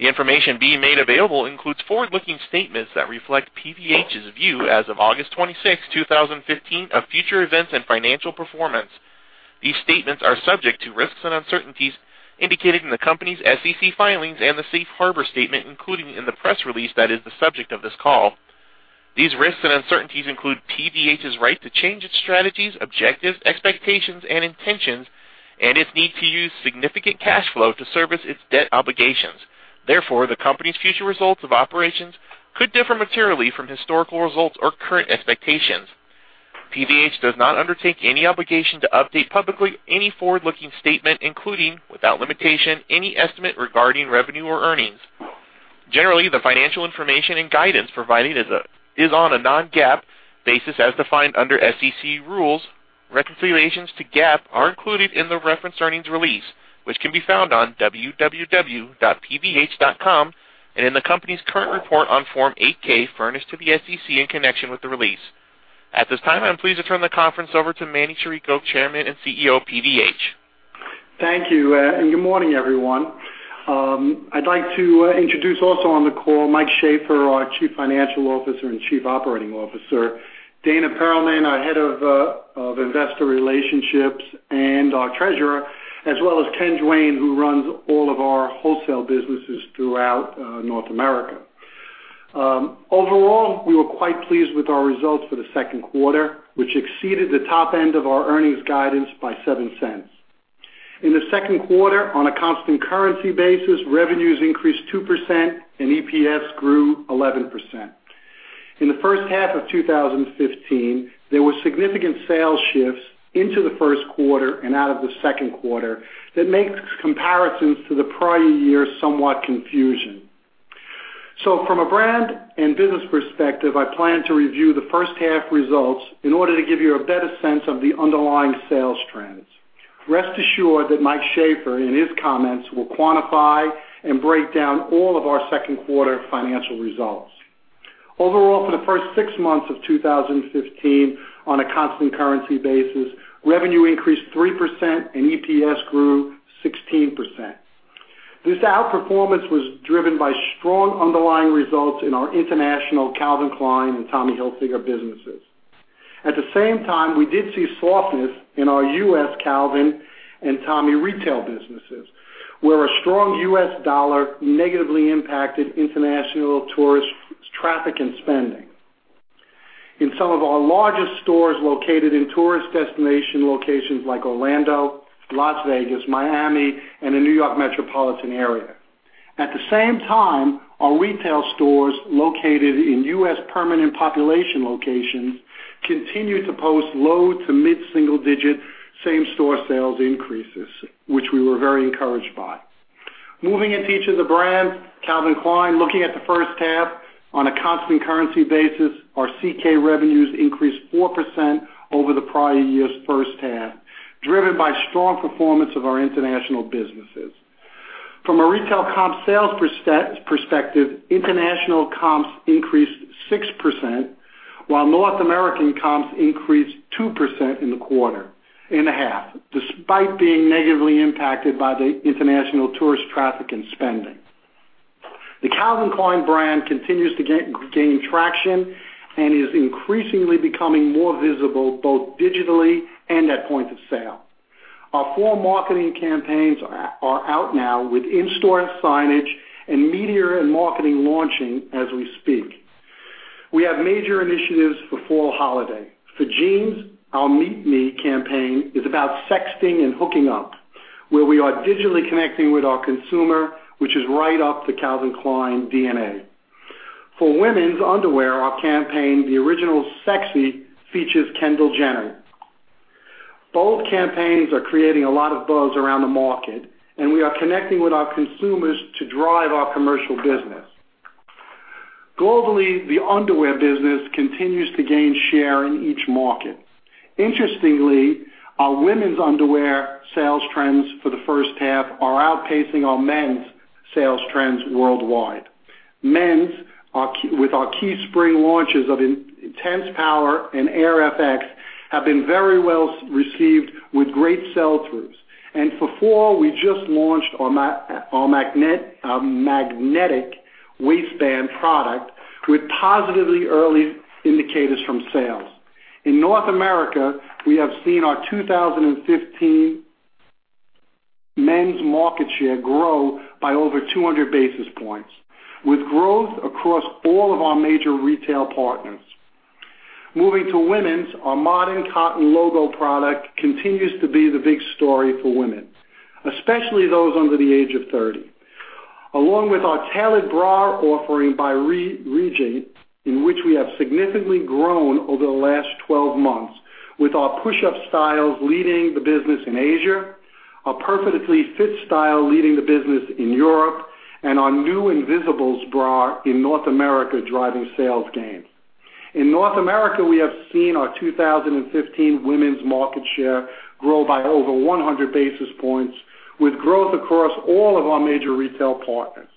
The information being made available includes forward-looking statements that reflect PVH's view as of August 26th, 2015, of future events and financial performance. These statements are subject to risks and uncertainties indicated in the company's SEC filings and the safe harbor statement, including in the press release that is the subject of this call. These risks and uncertainties include PVH's right to change its strategies, objectives, expectations, and intentions, and its need to use significant cash flow to service its debt obligations. Therefore, the company's future results of operations could differ materially from historical results or current expectations. PVH does not undertake any obligation to update publicly any forward-looking statement, including, without limitation, any estimate regarding revenue or earnings. Generally, the financial information and guidance provided is on a non-GAAP basis as defined under SEC rules. Reconciliations to GAAP are included in the referenced earnings release, which can be found on www.pvh.com and in the company's current report on Form 8-K furnished to the SEC in connection with the release. At this time, I'm pleased to turn the conference over to Manny Chirico, Chairman and CEO of PVH. Thank you, and good morning, everyone. I'd like to introduce also on the call Mike Shaffer, our Chief Financial Officer and Chief Operating Officer, Dana Telsey, our head of investor relationships and our treasurer, as well as Ken Duane, who runs all of our wholesale businesses throughout North America. Overall, we were quite pleased with our results for the second quarter, which exceeded the top end of our earnings guidance by $0.07. In the second quarter, on a constant currency basis, revenues increased 2% and EPS grew 11%. In the first half of 2015, there were significant sales shifts into the first quarter and out of the second quarter that makes comparisons to the prior year somewhat confusing. From a brand and business perspective, I plan to review the first half results in order to give you a better sense of the underlying sales trends. Rest assured that Mike Shaffer, in his comments, will quantify and break down all of our second quarter financial results. Overall, for the first six months of 2015, on a constant currency basis, revenue increased 3% and EPS grew 16%. This outperformance was driven by strong underlying results in our international Calvin Klein and Tommy Hilfiger businesses. At the same time, we did see softness in our U.S. Calvin and Tommy retail businesses, where a strong U.S. dollar negatively impacted international tourist traffic and spending in some of our largest stores located in tourist destination locations like Orlando, Las Vegas, Miami, and the New York metropolitan area. At the same time, our retail stores located in U.S. permanent population locations continued to post low to mid-single digit same-store sales increases, which we were very encouraged by. Moving into each of the brands, Calvin Klein, looking at the first half on a constant currency basis, our CK revenues increased 4% over the prior year's first half, driven by strong performance of our international businesses. From a retail comp sales perspective, international comps increased 6%, while North American comps increased 2% in the quarter and a half, despite being negatively impacted by the international tourist traffic and spending. The Calvin Klein brand continues to gain traction and is increasingly becoming more visible both digitally and at point of sale. Our Fall marketing campaigns are out now with in-store signage and media and marketing launching as we speak. We have major initiatives for Fall Holiday. For jeans, our Meet Me campaign is about sexting and hooking up, where we are digitally connecting with our consumer, which is right up the Calvin Klein DNA. For women's underwear, our campaign, The Original Sexy, features Kendall Jenner. Both campaigns are creating a lot of buzz around the market, we are connecting with our consumers to drive our commercial business. Globally, the underwear business continues to gain share in each market. Interestingly, our women's underwear sales trends for the first half are outpacing our men's sales trends worldwide. Men's, with our key Spring launches of Intense Power and Air FX, have been very well received with great sell-throughs. For Fall, we just launched our magnetic waistband product with positively early indicators from sales. In North America, we have seen our 2015 men's market share grow by over 200 basis points, with growth across all of our major retail partners. Moving to women's, our Modern Cotton logo product continues to be the big story for women, especially those under the age of 30. Along with our Tailored bra offering by Regine, in which we have significantly grown over the last 12 months with our push-up styles leading the business in Asia, our Perfectly Fit style leading the business in Europe, and our new Invisibles bra in North America driving sales gains. In North America, we have seen our 2015 women's market share grow by over 100 basis points, with growth across all of our major retail partners.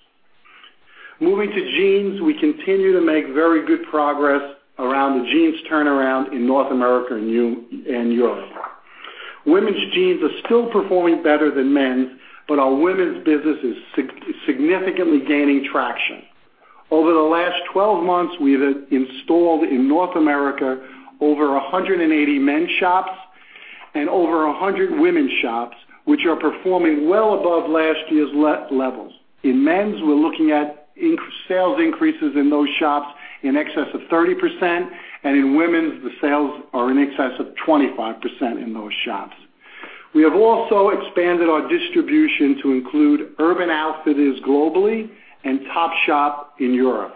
Moving to jeans, we continue to make very good progress around the jeans turnaround in North America and Europe. Women's jeans are still performing better than men's, but our women's business is significantly gaining traction. Over the last 12 months, we have installed in North America over 180 men shops and over 100 women shops, which are performing well above last year's levels. In men's, we're looking at sales increases in those shops in excess of 30%, and in women's, the sales are in excess of 25% in those shops. We have also expanded our distribution to include Urban Outfitters globally and Topshop in Europe.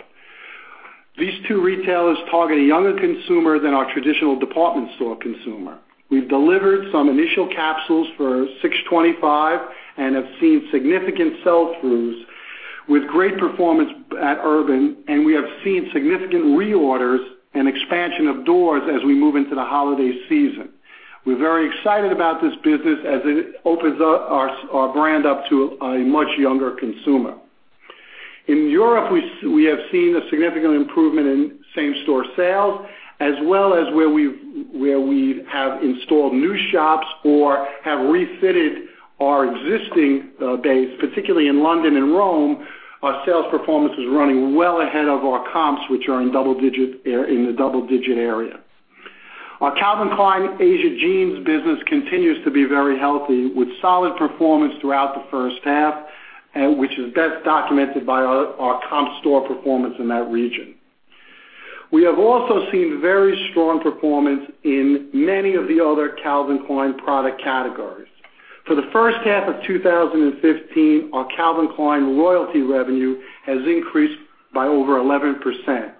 These two retailers target a younger consumer than our traditional department store consumer. We've delivered some initial capsules for 6.25 And have seen significant sell-throughs with great performance at Urban, we have seen significant reorders and expansion of doors as we move into the Holiday season. We're very excited about this business as it opens our brand up to a much younger consumer. In Europe, we have seen a significant improvement in same-store sales, as well as where we have installed new shops or have refitted our existing base, particularly in London and Rome. Our sales performance is running well ahead of our comps, which are in the double-digit area. Our Calvin Klein Asia jeans business continues to be very healthy, with solid performance throughout the first half, which is best documented by our comp store performance in that region. We have also seen very strong performance in many of the other Calvin Klein product categories. For the first half of 2015, our Calvin Klein royalty revenue has increased by over 11%.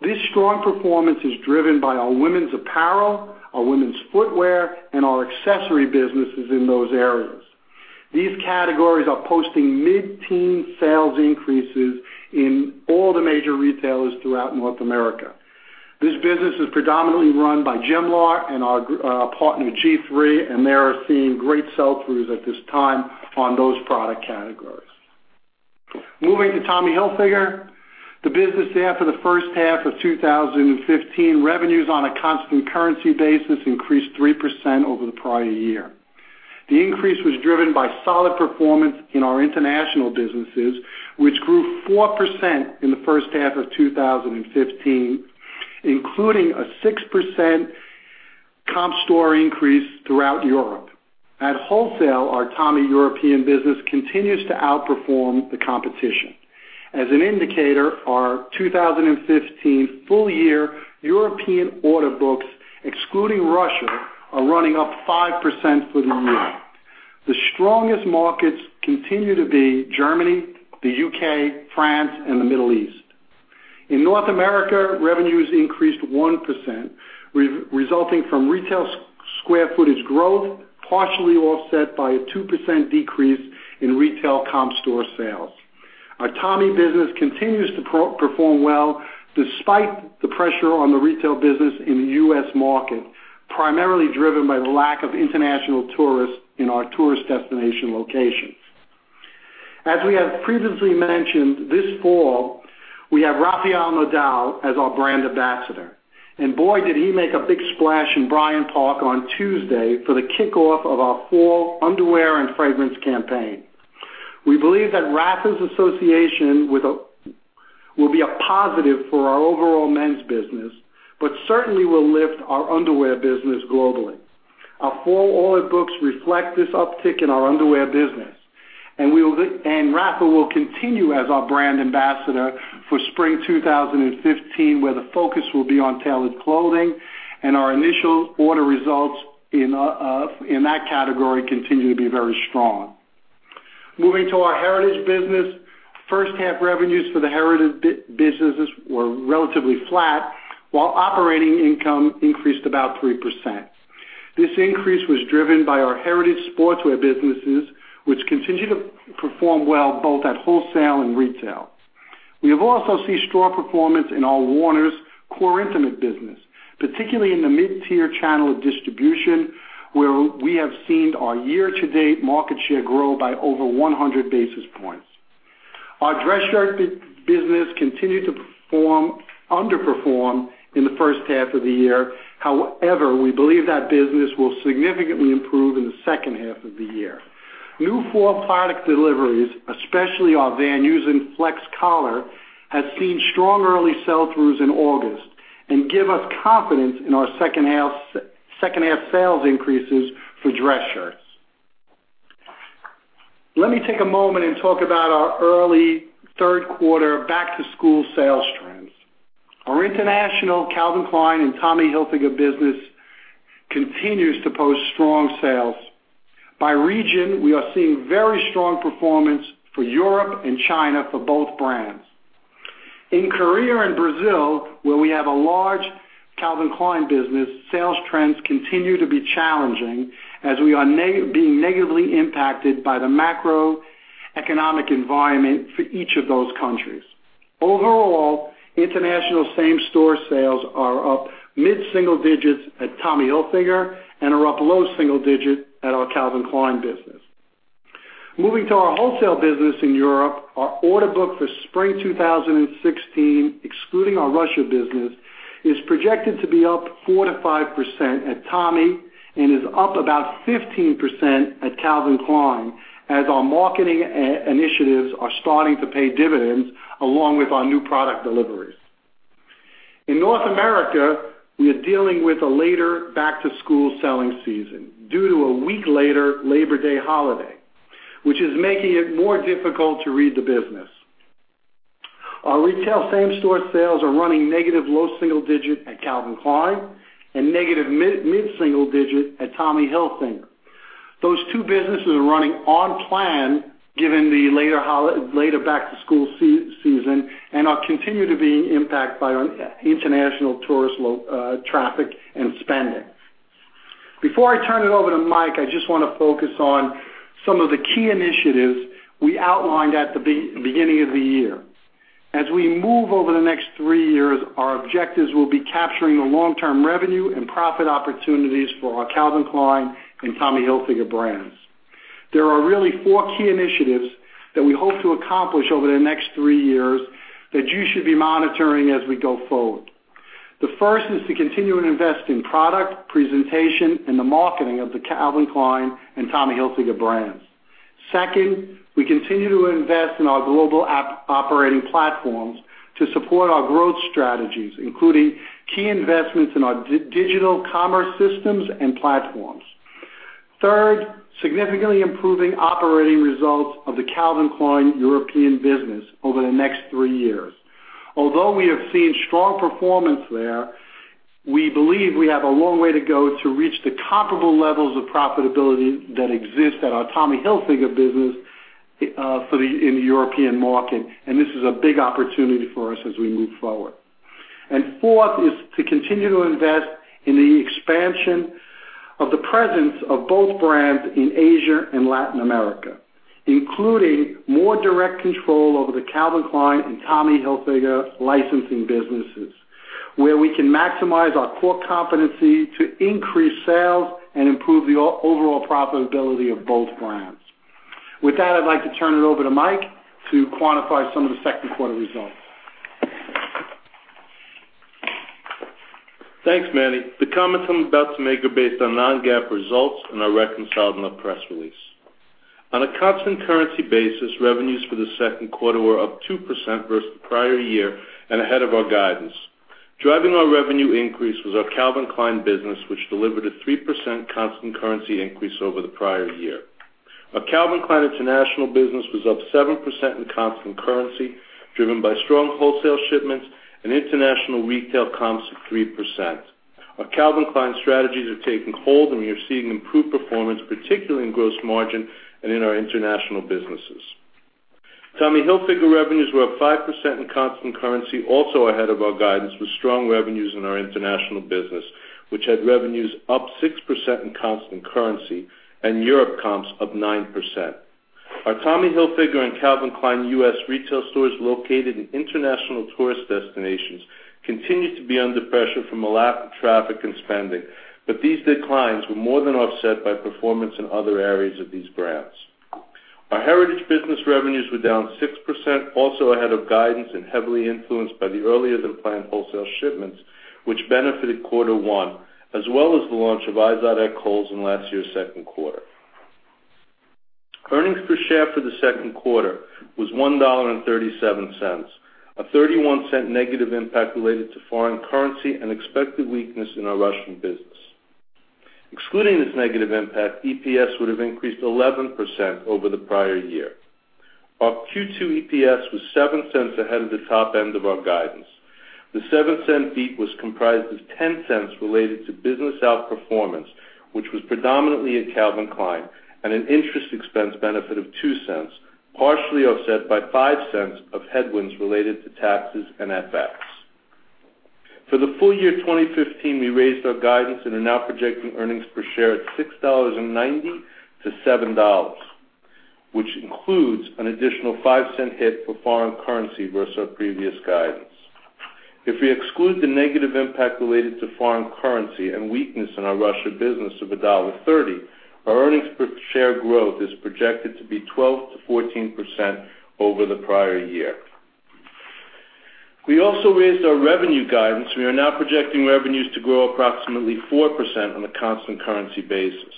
This strong performance is driven by our women's apparel, our women's footwear, and our accessory businesses in those areas. These categories are posting mid-teen sales increases in all the major retailers throughout North America. This business is predominantly run by Gelmart and our partner G3, and they are seeing great sell-throughs at this time on those product categories. Moving to Tommy Hilfiger, the business there for the first half of 2015, revenues on a constant currency basis increased 3% over the prior year. The increase was driven by solid performance in our international businesses, which grew 4% in the first half of 2015, including a 6% comp store increase throughout Europe. At wholesale, our Tommy European business continues to outperform the competition. As an indicator, our 2015 full-year European order books, excluding Russia, are running up 5% for the year. The strongest markets continue to be Germany, the U.K., France, and the Middle East. In North America, revenues increased 1%, resulting from retail square footage growth, partially offset by a 2% decrease in retail comp store sales. Our Tommy business continues to perform well despite the pressure on the retail business in the U.S. market, primarily driven by the lack of international tourists in our tourist destination locations. As we have previously mentioned, this fall, we have Rafael Nadal as our brand ambassador, and boy, did he make a big splash in Bryant Park on Tuesday for the kickoff of our fall underwear and fragrance campaign. We believe that Rafa's association will be a positive for our overall men's business, but certainly will lift our underwear business globally. Our fall order books reflect this uptick in our underwear business, and Rafa will continue as our brand ambassador for spring 2016, where the focus will be on tailored clothing, and our initial order results in that category continue to be very strong. Moving to our Heritage Brands business. First half revenues for the Heritage Brands businesses were relatively flat, while operating income increased about 3%. This increase was driven by our Heritage Brands sportswear businesses, which continue to perform well both at wholesale and retail. We have also seen strong performance in our Warner's core intimate business, particularly in the mid-tier channel of distribution, where we have seen our year-to-date market share grow by over 100 basis points. Our dress shirt business continued to underperform in the first half of the year. However, we believe that business will significantly improve in the second half of the year. New fall product deliveries, especially our Van Heusen Flex Collar, has seen strong early sell-throughs in August and give us confidence in our second-half sales increases for dress shirts. Let me take a moment and talk about our early third quarter back-to-school sales trends. Our international Calvin Klein and Tommy Hilfiger business continues to post strong sales. By region, we are seeing very strong performance for Europe and China for both brands. In Korea and Brazil, where we have a large Calvin Klein business, sales trends continue to be challenging as we are being negatively impacted by the macroeconomic environment for each of those countries. Overall, international same-store sales are up mid-single digits at Tommy Hilfiger and are up low single digit at our Calvin Klein business. Moving to our wholesale business in Europe, our order book for spring 2016, excluding our Russia business, is projected to be up 4%-5% at Tommy and is up about 15% at Calvin Klein as our marketing initiatives are starting to pay dividends along with our new product deliveries. In North America, we are dealing with a later back-to-school selling season due to a week later Labor Day holiday, which is making it more difficult to read the business. Our retail same-store sales are running negative low single digit at Calvin Klein and negative mid-single digit at Tommy Hilfiger. Those two businesses are running on plan, given the later back-to-school season, and are continued to be impact by our international tourist traffic and spending. Before I turn it over to Mike, I just want to focus on some of the key initiatives we outlined at the beginning of the year. As we move over the next three years, our objectives will be capturing the long-term revenue and profit opportunities for our Calvin Klein and Tommy Hilfiger brands. There are really four key initiatives that we hope to accomplish over the next three years that you should be monitoring as we go forward. The first is to continue to invest in product presentation and the marketing of the Calvin Klein and Tommy Hilfiger brands. Second, we continue to invest in our global operating platforms to support our growth strategies, including key investments in our digital commerce systems and platforms. Third, significantly improving operating results of the Calvin Klein European business over the next three years. Although we have seen strong performance there, we believe we have a long way to go to reach the comparable levels of profitability that exist at our Tommy Hilfiger business in the European market. This is a big opportunity for us as we move forward. Fourth is to continue to invest in the expansion of the presence of both brands in Asia and Latin America, including more direct control over the Calvin Klein and Tommy Hilfiger licensing businesses, where we can maximize our core competency to increase sales and improve the overall profitability of both brands. With that, I'd like to turn it over to Mike to quantify some of the second quarter results. Thanks, Manny. The comments I'm about to make are based on non-GAAP results and are reconciled in our press release. On a constant currency basis, revenues for the second quarter were up 2% versus the prior year and ahead of our guidance. Driving our revenue increase was our Calvin Klein business, which delivered a 3% constant currency increase over the prior year. Our Calvin Klein International business was up 7% in constant currency, driven by strong wholesale shipments and international retail comps of 3%. Our Calvin Klein strategies are taking hold, and we are seeing improved performance, particularly in gross margin and in our international businesses. Tommy Hilfiger revenues were up 5% in constant currency, also ahead of our guidance, with strong revenues in our international business, which had revenues up 6% in constant currency and Europe comps up 9%. Our Tommy Hilfiger and Calvin Klein U.S. retail stores located in international tourist destinations continue to be under pressure from a lack of traffic and spending. These declines were more than offset by performance in other areas of these brands. Our Heritage Brands revenues were down 6%, also ahead of guidance and heavily influenced by the earlier-than-planned wholesale shipments, which benefited Q1, as well as the launch of IZOD at Kohl's in last year's second quarter. Earnings per share for the second quarter was $1.37, a $0.31 negative impact related to foreign currency and expected weakness in our Russian business. Excluding this negative impact, EPS would have increased 11% over the prior year. Our Q2 EPS was $0.07 ahead of the top end of our guidance. The $0.07 beat was comprised of $0.10 related to business outperformance, which was predominantly at Calvin Klein, and an interest expense benefit of $0.02, partially offset by $0.05 of headwinds related to taxes and FX. For the full year 2015, we raised our guidance and are now projecting earnings per share at $6.90 to $7, which includes an additional $0.05 hit for foreign currency versus our previous guidance. If we exclude the negative impact related to foreign currency and weakness in our Russia business of $1.30, our earnings per share growth is projected to be 12%-14% over the prior year. We also raised our revenue guidance. We are now projecting revenues to grow approximately 4% on a constant currency basis.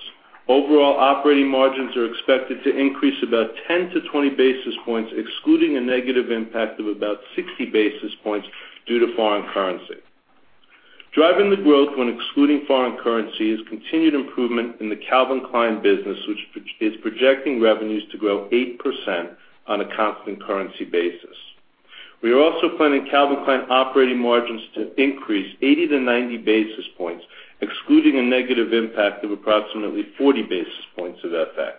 Overall operating margins are expected to increase about 10 to 20 basis points, excluding a negative impact of about 60 basis points due to foreign currency. Driving the growth when excluding foreign currency is continued improvement in the Calvin Klein business, which is projecting revenues to grow 8% on a constant currency basis. We are also planning Calvin Klein operating margins to increase 80 to 90 basis points, excluding a negative impact of approximately 40 basis points of FX.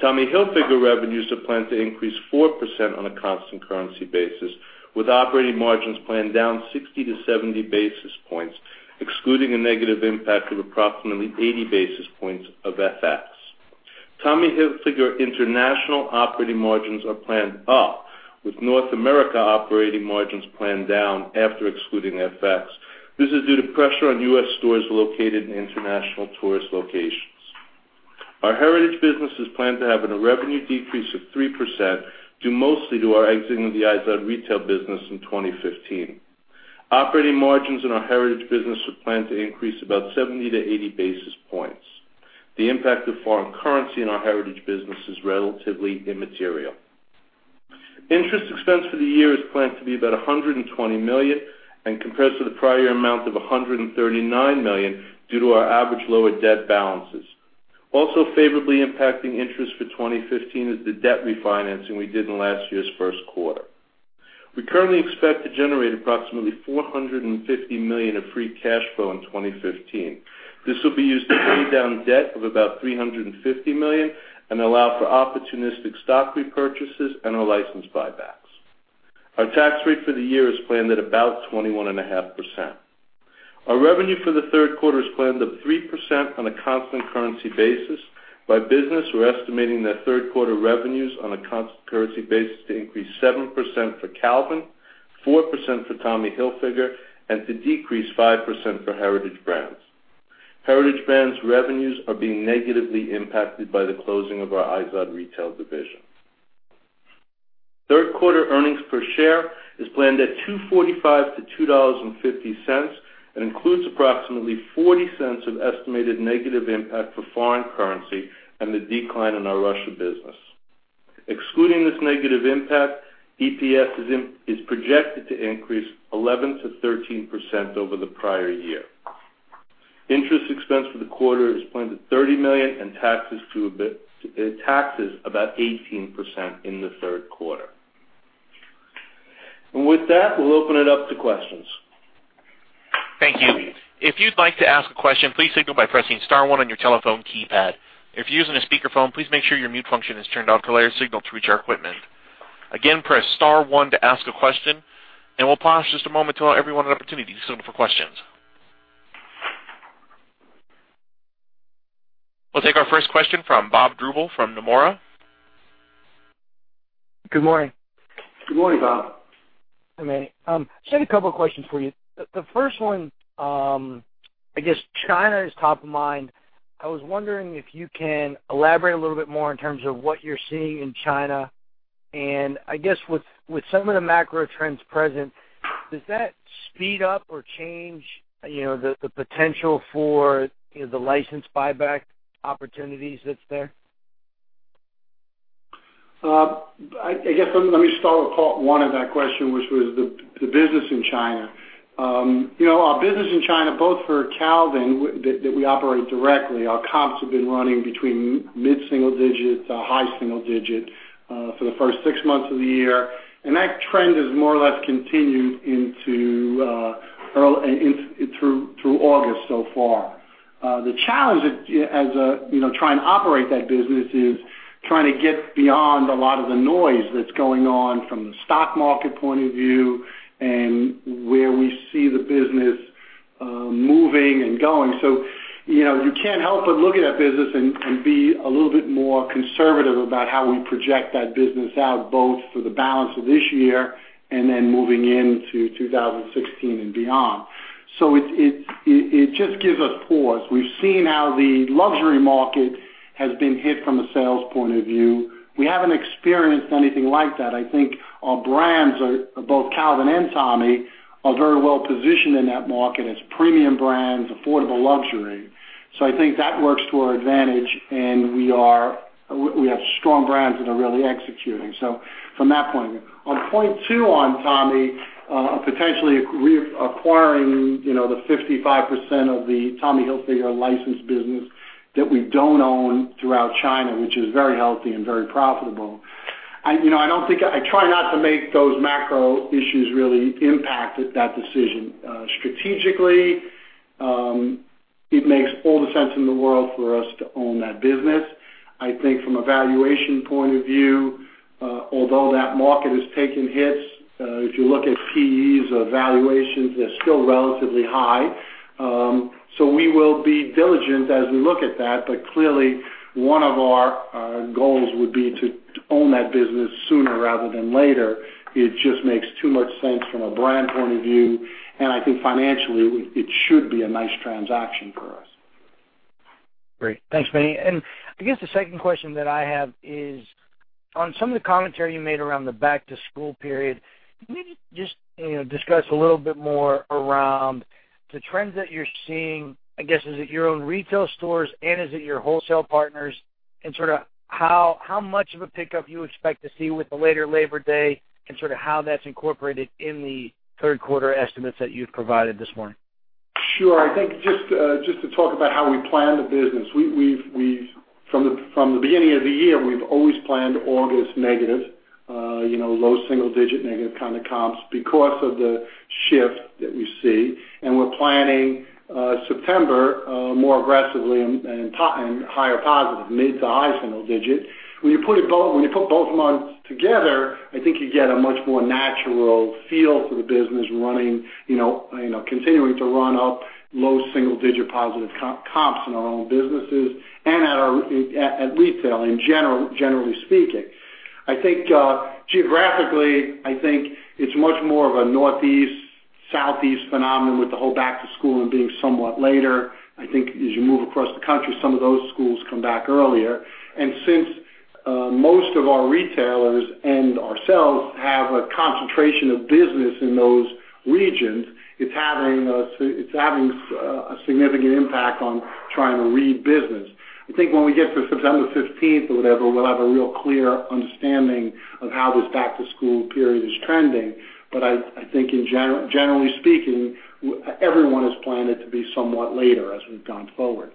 Tommy Hilfiger revenues are planned to increase 4% on a constant currency basis, with operating margins planned down 60 to 70 basis points, excluding a negative impact of approximately 80 basis points of FX. Tommy Hilfiger international operating margins are planned up with North America operating margins planned down after excluding FX. This is due to pressure on U.S. stores located in international tourist locations. Our Heritage business is planned to have a revenue decrease of 3%, due mostly to our exiting the Izod retail business in 2015. Operating margins in our Heritage business are planned to increase about 70 to 80 basis points. The impact of foreign currency in our Heritage business is relatively immaterial. Interest expense for the year is planned to be about $120 million, and compared to the prior year amount of $139 million, due to our average lower debt balances. Also favorably impacting interest for 2015 is the debt refinancing we did in last year's first quarter. We currently expect to generate approximately $450 million of free cash flow in 2015. This will be used to pay down debt of about $350 million and allow for opportunistic stock repurchases and our license buybacks. Our tax rate for the year is planned at about 21.5%. Our revenue for the third quarter is planned up 3% on a constant currency basis. By business, we're estimating that third quarter revenues on a constant currency basis to increase 7% for Calvin, 4% for Tommy Hilfiger, and to decrease 5% for Heritage Brands. Heritage Brands revenues are being negatively impacted by the closing of our Izod retail division. Third quarter earnings per share is planned at $2.45 to $2.50, and includes approximately $0.40 of estimated negative impact for foreign currency and the decline in our Russia business. Excluding this negative impact, EPS is projected to increase 11%-13% over the prior year. Interest expense for the quarter is planned at $30 million and taxes about 18% in the third quarter. With that, we'll open it up to questions. Thank you. If you'd like to ask a question, please signal by pressing *1 on your telephone keypad. If you're using a speakerphone, please make sure your mute function is turned off to allow your signal to reach our equipment. Again, press *1 to ask a question, and we'll pause just a moment to allow everyone an opportunity to signal for questions. We'll take our first question from Bob Drbul from Nomura. Good morning. Good morning, Bob. Hi, Manny. Just have a couple of questions for you. The first one, I guess China is top of mind. I was wondering if you can elaborate a little bit more in terms of what you're seeing in China, I guess with some of the macro trends present, does that speed up or change the potential for the license buyback opportunities that's there? I guess, let me start with part one of that question, which was the business in China. Our business in China, both for Calvin, that we operate directly, our comps have been running between mid-single digit to high single digit for the first six months of the year. That trend has more or less continued through August so far. The challenge as trying to operate that business is trying to get beyond a lot of the noise that's going on from the stock market point of view and where we see the business moving and going. You can't help but look at that business and be a little bit more conservative about how we project that business out, both for the balance of this year and then moving into 2016 and beyond. It just gives us pause. We've seen how the luxury market has been hit from a sales point of view. We haven't experienced anything like that. I think our brands, both Calvin and Tommy, are very well positioned in that market as premium brands, affordable luxury. I think that works to our advantage, we have strong brands that are really executing. From that point of view. On point two on Tommy, potentially acquiring the 55% of the Tommy Hilfiger license business that we don't own throughout China, which is very healthy and very profitable. I try not to make those macro issues really impact that decision. Strategically, it makes all the sense in the world for us to own that business. I think from a valuation point of view, although that market has taken hits, if you look at PEs or valuations, they're still relatively high. We will be diligent as we look at that. Clearly, one of our goals would be to own that business sooner rather than later. It just makes too much sense from a brand point of view, and I think financially, it should be a nice transaction for us. Great. Thanks, Manny. I guess the second question that I have is on some of the commentary you made around the back-to-school period. Can you just discuss a little bit more around the trends that you're seeing, I guess, is it your own retail stores and is it your wholesale partners? Sort of how much of a pickup you expect to see with the later Labor Day and sort of how that's incorporated in the third quarter estimates that you've provided this morning? Sure. I think just to talk about how we plan the business. From the beginning of the year, we've always planned August negative. Low single-digit negative kind of comps because of the shift that we see, and we're planning September more aggressively and higher positive, mid-to-high single-digit. When you put both months together, I think you get a much more natural feel for the business continuing to run up low single-digit positive comps in our own businesses and at retail, generally speaking. I think geographically, I think it's much more of a Northeast Southeast phenomenon with the whole back-to-school and being somewhat later. I think as you move across the country, some of those schools come back earlier. Since most of our retailers and ourselves have a concentration of business in those regions, it's having a significant impact on trying to read business. I think when we get to September 15th or whatever, we'll have a real clear understanding of how this back-to-school period is trending. I think generally speaking, everyone has planned it to be somewhat later as we've gone forward.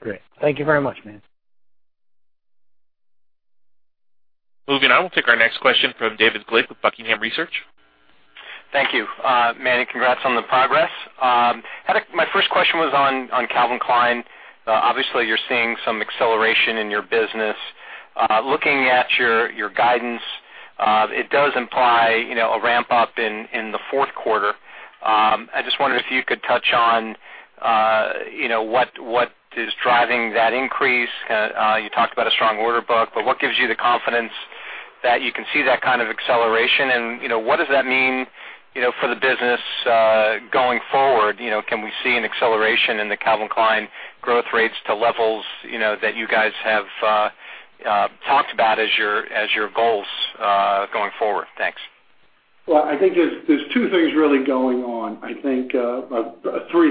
Great. Thank you very much, Manny. Moving on. We'll take our next question from David Glick with Buckingham Research. Thank you. Manny, congrats on the progress. My first question was on Calvin Klein. Obviously, you're seeing some acceleration in your business. Looking at your guidance, it does imply a ramp-up in the fourth quarter. I just wondered if you could touch on what is driving that increase. You talked about a strong order book, but what gives you the confidence that you can see that kind of acceleration? What does that mean for the business going forward? Can we see an acceleration in the Calvin Klein growth rates to levels that you guys have talked about as your goals going forward? Thanks. Well, I think there's two things really going on. Three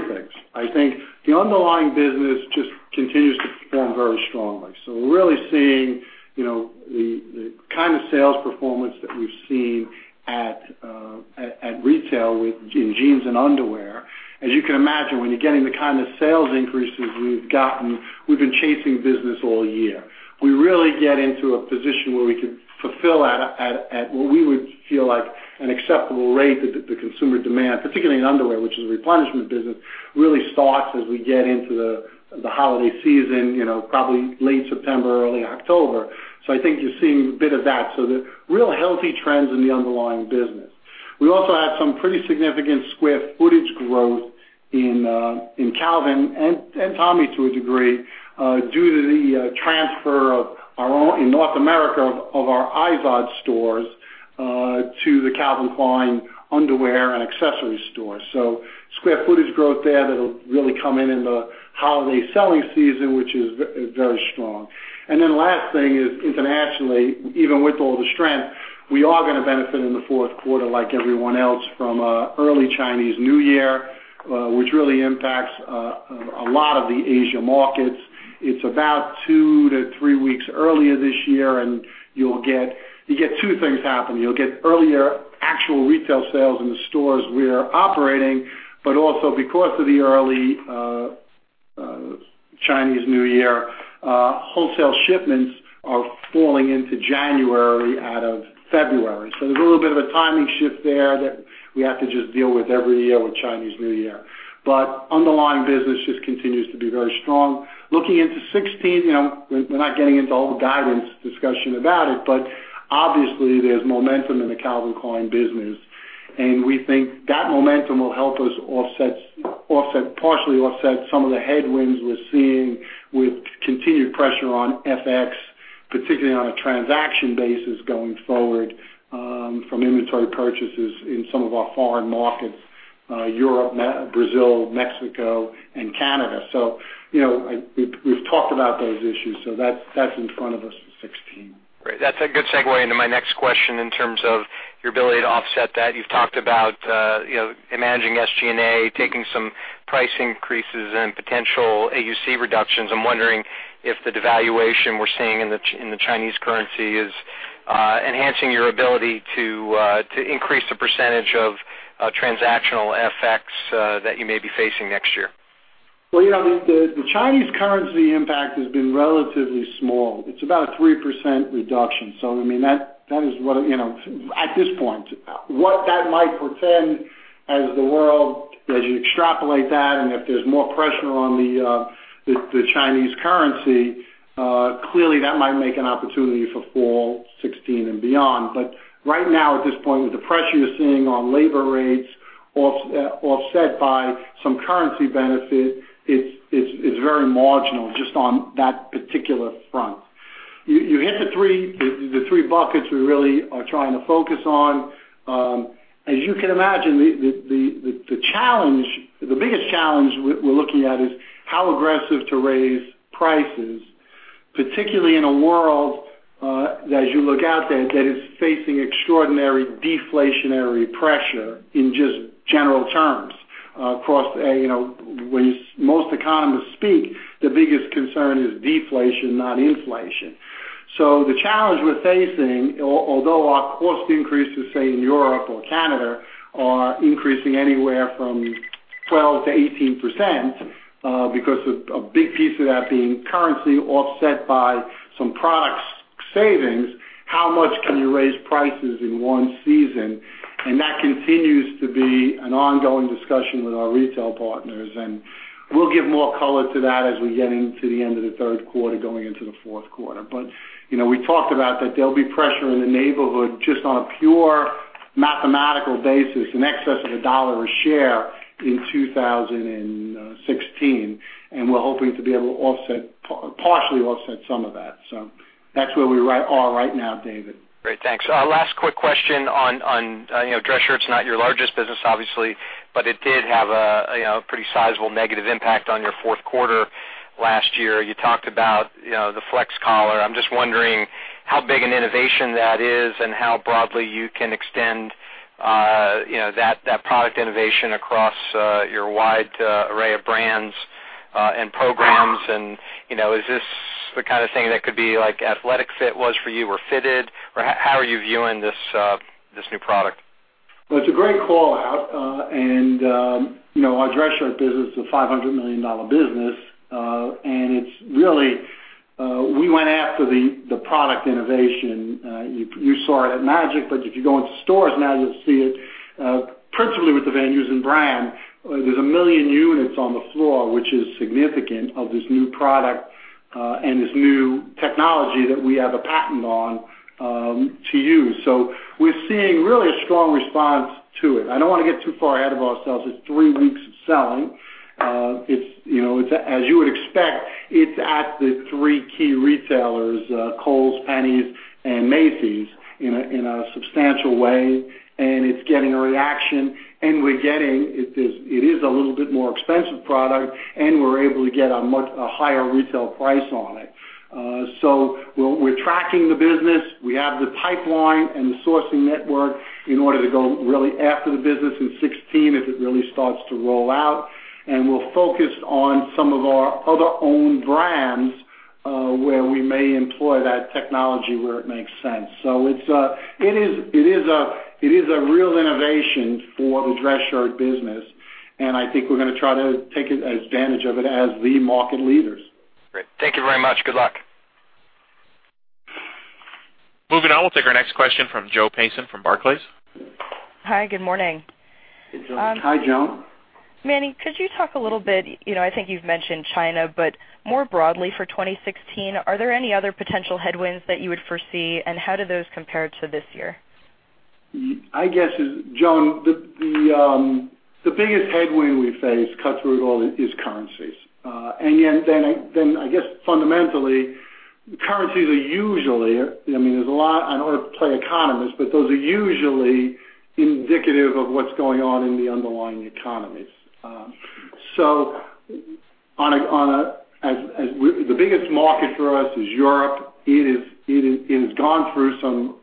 things. I think the underlying business just continues to perform very strongly. We're really seeing the kind of sales performance that we've seen at retail in jeans and underwear. As you can imagine, when you're getting the kind of sales increases we've gotten, we've been chasing business all year. We really get into a position where we could fulfill at what we would feel like an acceptable rate to consumer demand, particularly in underwear, which is a replenishment business, really starts as we get into the holiday season, probably late September, early October. I think you're seeing a bit of that. There are real healthy trends in the underlying business. We also have some pretty significant square footage growth in Calvin and Tommy, to a degree, due to the transfer in North America of our IZOD stores to the Calvin Klein underwear and accessories store. Square footage growth there that'll really come in in the holiday selling season, which is very strong. The last thing is internationally, even with all the strength, we are going to benefit in the fourth quarter like everyone else from early Chinese New Year, which really impacts a lot of the Asia markets. It's about two to three weeks earlier this year. You get two things happening. You'll get earlier actual retail sales in the stores we're operating, but also because of the early Chinese New Year, wholesale shipments are falling into January out of February. There's a little bit of a timing shift there that we have to just deal with every year with Chinese New Year. Underlying business just continues to be very strong. Looking into 2016, we're not getting into all the guidance discussion about it, but obviously, there's momentum in the Calvin Klein business. We think that momentum will help us partially offset some of the headwinds we're seeing with continued pressure on FX, particularly on a transaction basis going forward from inventory purchases in some of our foreign markets, Europe, Brazil, Mexico, and Canada. We've talked about those issues. That's in front of us for 2016. Great. That's a good segue into my next question in terms of your ability to offset that. You've talked about managing SG&A, taking some price increases, and potential AUC reductions. I'm wondering if the devaluation we're seeing in the Chinese currency is enhancing your ability to increase the percentage of transactional FX that you may be facing next year. The Chinese currency impact has been relatively small. It's about a 3% reduction. At this point. What that might portend as you extrapolate that and if there's more pressure on the Chinese currency, clearly that might make an opportunity for Fall 2016 and beyond. Right now, at this point, with the pressure you're seeing on labor rates offset by some currency benefit, it's very marginal just on that particular front. You hit the three buckets we really are trying to focus on. As you can imagine, the biggest challenge we're looking at is how aggressive to raise prices, particularly in a world, as you look out there, that is facing extraordinary deflationary pressure in just general terms. When most economists speak, their biggest concern is deflation, not inflation. The challenge we're facing, although our cost increases, say, in Europe or Canada, are increasing anywhere from 12%-18% because of a big piece of that being currency offset by some product savings. How much can you raise prices in one season? That continues to be an ongoing discussion with our retail partners, and we'll give more color to that as we get into the end of the third quarter going into the fourth quarter. We talked about that there'll be pressure in the neighborhood just on pure mathematical basis in excess of $1 a share in 2016, and we're hoping to be able to partially offset some of that. That's where we are right now, David. Great. Thanks. Last quick question on dress shirts. Not your largest business, obviously, but it did have a pretty sizable negative impact on your fourth quarter last year. You talked about the Flex Collar. I'm just wondering how big an innovation that is and how broadly you can extend that product innovation across your wide array of brands and programs. Is this the kind of thing that could be like athletic fit was for you, or fitted? Or how are you viewing this new product? Well, it's a great call-out. Our dress shirt business is a $500 million business. We went after the product innovation. You saw it at MAGIC, but if you go into stores now, you'll see it principally with the Van Heusen brand. There's 1 million units on the floor, which is significant, of this new product and this new technology that we have a patent on to use. We're seeing really a strong response to it. I don't want to get too far ahead of ourselves. It's three weeks of selling. As you would expect, it's at the three key retailers, Kohl's, JCPenney, and Macy's, in a substantial way. It's getting a reaction, and it is a little bit more expensive product, and we're able to get a much higher retail price on it. We're tracking the business. We have the pipeline and the sourcing network in order to go really after the business in 2016, if it really starts to roll out. We'll focus on some of our other owned brands, where we may employ that technology where it makes sense. It is a real innovation for the dress shirt business, and I think we're going to try to take advantage of it as the market leaders. Great. Thank you very much. Good luck. Moving on. We'll take our next question from Joan Payson from Barclays. Hi, good morning. Hi, Joan. Manny, could you talk a little bit, I think you've mentioned China, but more broadly for 2016, are there any other potential headwinds that you would foresee, and how do those compare to this year? I guess, Joan, the biggest headwind we face, cut through it all, is currencies. Fundamentally, currencies are usually, I don't want to play economist, but those are usually indicative of what's going on in the underlying economies. As the biggest market for us is Europe. It has gone through some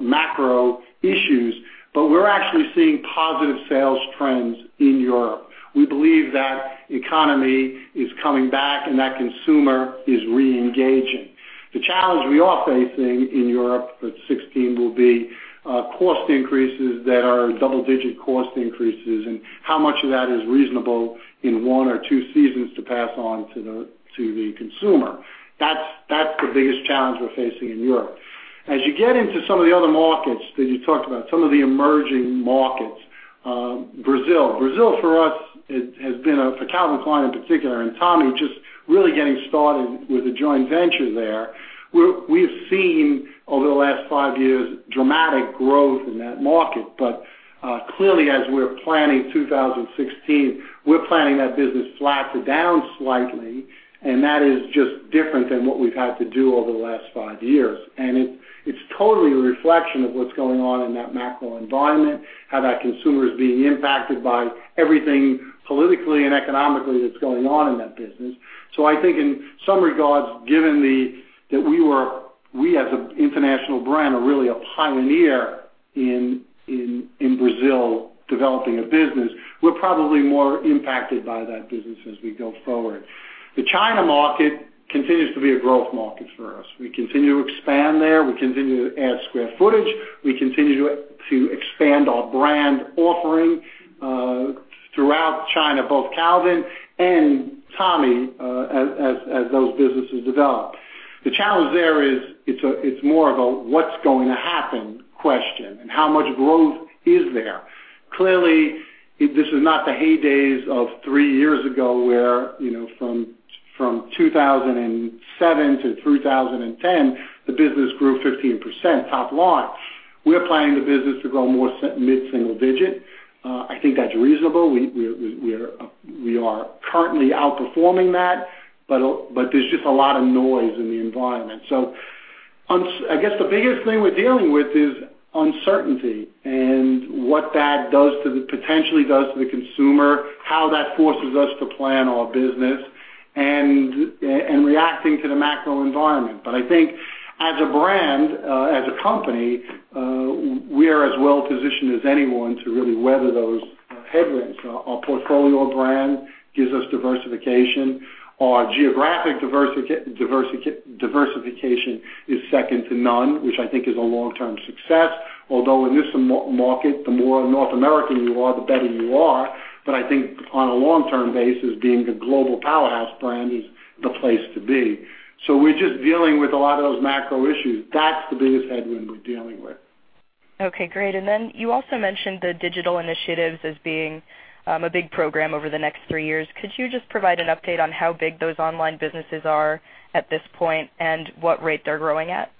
macro issues, but we're actually seeing positive sales trends in Europe. We believe that economy is coming back, and that consumer is re-engaging. The challenge we are facing in Europe for 2016 will be cost increases that are double-digit cost increases, and how much of that is reasonable in one or two seasons to pass on to the consumer. That's the biggest challenge we're facing in Europe. As you get into some of the other markets that you talked about, some of the emerging markets. Brazil. Brazil for us has been, for Calvin Klein in particular, and Tommy just really getting started with the joint venture there. We've seen over the last five years, dramatic growth in that market. Clearly, as we're planning 2016, we're planning that business flat to down slightly. That is just different than what we've had to do over the last five years. It's totally a reflection of what's going on in that macro environment, how that consumer is being impacted by everything politically and economically that's going on in that business. I think in some regards, given that we as an international brand are really a pioneer in Brazil developing a business, we're probably more impacted by that business as we go forward. The China market continues to be a growth market for us. We continue to expand there. We continue to add square footage. We continue to expand our brand offering throughout China, both Calvin and Tommy, as those businesses develop. The challenge there is it's more of a what's going to happen question and how much growth is there. Clearly, this is not the heydays of three years ago where from 2007 to 2010, the business grew 15% top line. We're planning the business to grow more mid-single digit. I think that's reasonable. We are currently outperforming that, but there's just a lot of noise in the environment. I guess the biggest thing we're dealing with is uncertainty and what that potentially does to the consumer, how that forces us to plan our business, and reacting to the macro environment. I think as a brand, as a company, we are as well positioned as anyone to really weather those headwinds. Our portfolio of brands gives us diversification. Our geographic diversification is second to none, which I think is a long-term success. Although in this market, the more North American you are, the better you are. I think on a long-term basis, being the global powerhouse brand is the place to be. We're just dealing with a lot of those macro issues. That's the biggest headwind we're dealing with. Okay, great. You also mentioned the digital initiatives as being a big program over the next three years. Could you just provide an update on how big those online businesses are at this point and what rate they're growing at?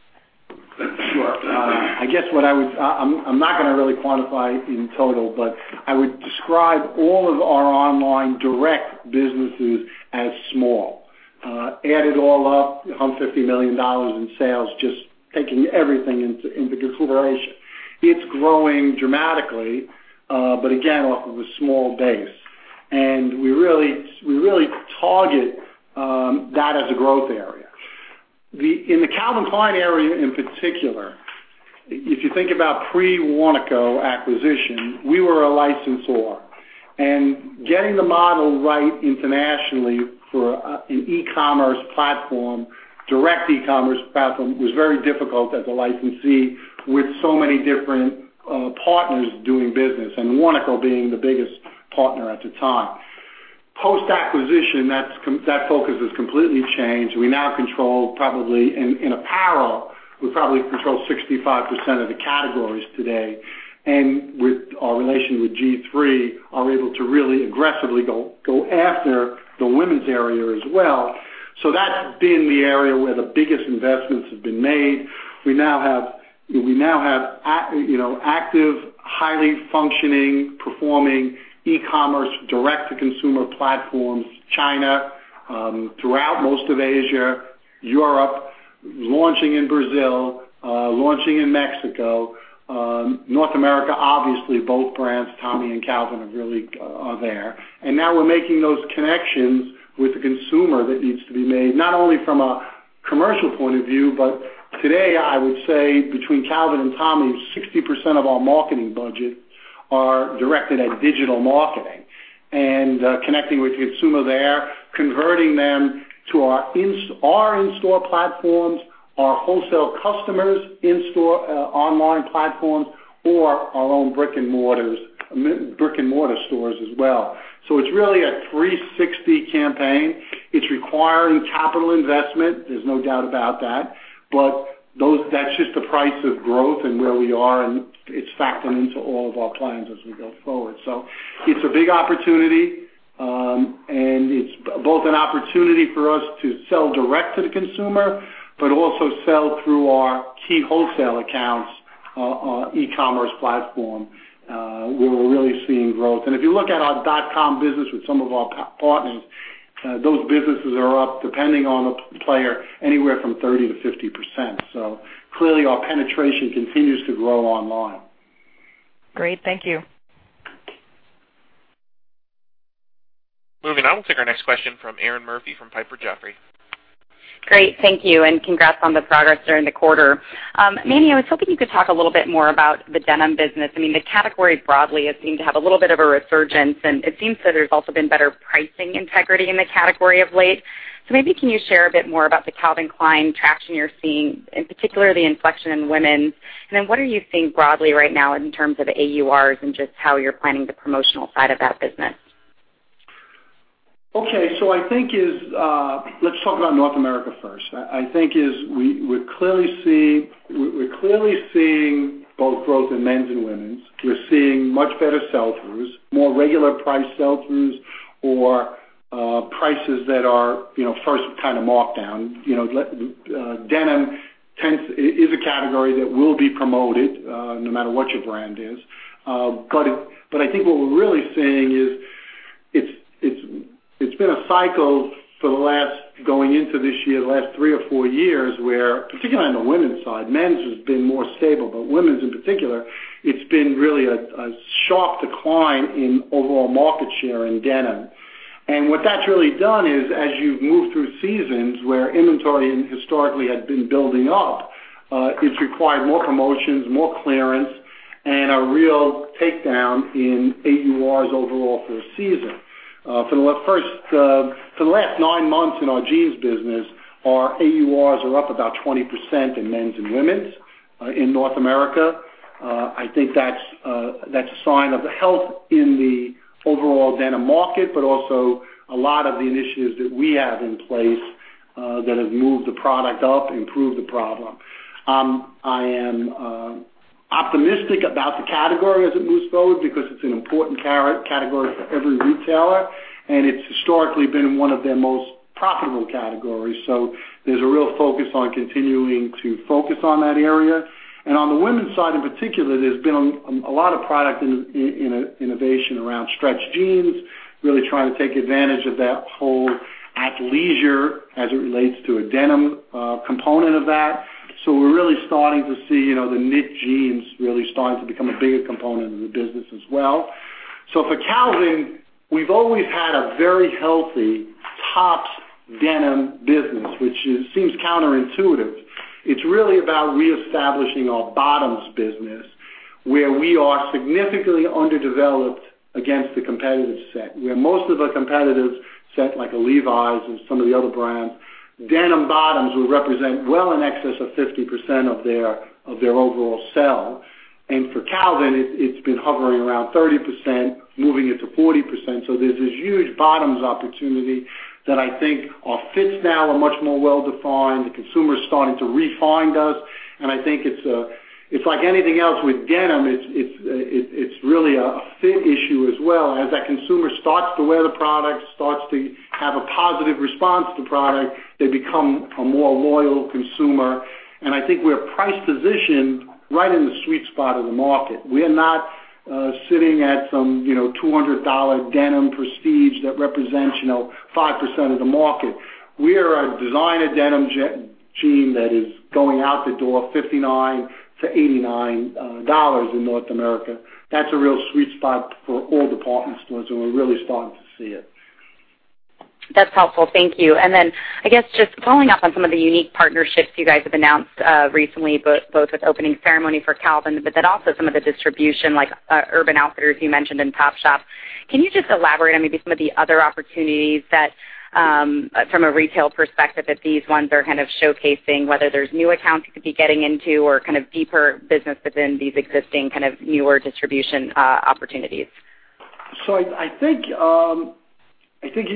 Sure. I guess I'm not going to really quantify in total, I would describe all of our online direct businesses as small. Add it all up, $150 million in sales, just taking everything into consideration. It's growing dramatically, but again, off of a small base. We really target that as a growth area. In the Calvin Klein area in particular, if you think about pre-Warnaco acquisition, we were a licensor. Getting the model right internationally for an e-commerce platform, direct e-commerce platform, was very difficult as a licensee with so many different partners doing business, and Warnaco being the biggest partner at the time. Post-acquisition, that focus has completely changed. We now control probably, in apparel, we probably control 65% of the categories today. With our relation with G3, are able to really aggressively go after the women's area as well. That's been the area where the biggest investments have been made. We now have active, highly functioning, performing e-commerce direct-to-consumer platforms. China, throughout most of Asia, Europe, launching in Brazil, launching in Mexico. North America, obviously both brands, Tommy and Calvin, are there. Now we're making those connections with the consumer that needs to be made, not only from a commercial point of view, Today, I would say between Calvin and Tommy, 60% of our marketing budget are directed at digital marketing. Connecting with the consumer there, converting them to our in-store platforms, our wholesale customers' in-store online platforms, or our own brick-and-mortar stores as well. It's really a 360 campaign. It's requiring capital investment, there's no doubt about that, That's just the price of growth and where we are, It's factored into all of our plans as we go forward. It's a big opportunity, and it's both an opportunity for us to sell direct to the consumer, but also sell through our key wholesale accounts on our e-commerce platform, where we're really seeing growth. If you look at our dot com business with some of our partners, those businesses are up, depending on the player, anywhere from 30%-50%. Clearly, our penetration continues to grow online. Great. Thank you. Moving on. We'll take our next question from Erinn Murphy from Piper Jaffray. Great. Thank you. Congrats on the progress during the quarter. Manny, I was hoping you could talk a little bit more about the denim business. The category broadly has seemed to have a little bit of a resurgence, and it seems that there's also been better pricing integrity in the category of late. Maybe can you share a bit more about the Calvin Klein traction you're seeing, in particular the inflection in women's? What are you seeing broadly right now in terms of AURs and just how you're planning the promotional side of that business? Okay. Let's talk about North America first. I think we're clearly seeing both growth in men's and women's. We're seeing much better sell-throughs, more regular price sell-throughs or prices that are first kind of markdown. Denim is a category that will be promoted no matter what your brand is. I think what we're really seeing is, it's been a cycle for the last, going into this year, the last three or four years, where, particularly on the women's side, men's has been more stable, but women's in particular, it's been really a sharp decline in overall market share in denim. What that's really done is, as you've moved through seasons where inventory historically had been building up, it's required more promotions, more clearance, and a real takedown in AURs overall for the season. For the last nine months in our jeans business, our AURs are up about 20% in men's and women's in North America. I think that's a sign of the health in the overall denim market, but also a lot of the initiatives that we have in place that have moved the product up, improved the product. I am optimistic about the category as it moves forward because it's an important category for every retailer, and it's historically been one of their most profitable categories. There's a real focus on continuing to focus on that area. On the women's side in particular, there's been a lot of product innovation around stretch jeans, really trying to take advantage of that whole athleisure as it relates to a denim component of that. We're really starting to see the knit jeans really starting to become a bigger component of the business as well. For Calvin, we've always had a very healthy tops denim business, which seems counterintuitive. It's really about reestablishing our bottoms business, where we are significantly underdeveloped against the competitive set. Where most of our competitive set, like a Levi's and some of the other brands, denim bottoms will represent well in excess of 50% of their overall sell. For Calvin, it's been hovering around 30%, moving it to 40%. There's this huge bottoms opportunity that I think our fits now are much more well-defined. The consumer is starting to refind us, and I think it's like anything else with denim, it's really a fit issue as well. As that consumer starts to wear the product, starts to have a positive response to the product, they become a more loyal consumer. I think we're price positioned right in the sweet spot of the market. We're not sitting at some $200 denim prestige that represents 5% of the market. We are a designer denim jean that is going out the door $59-$89 in North America. That's a real sweet spot for all department stores, and we're really starting to see it. That's helpful. Thank you. Just following up on some of the unique partnerships you guys have announced recently, both with Opening Ceremony for Calvin, but also some of the distribution, like Urban Outfitters you mentioned, and Topshop. Can you just elaborate on maybe some of the other opportunities that, from a retail perspective, that these ones are kind of showcasing whether there's new accounts you could be getting into or kind of deeper business within these existing kind of newer distribution opportunities? I think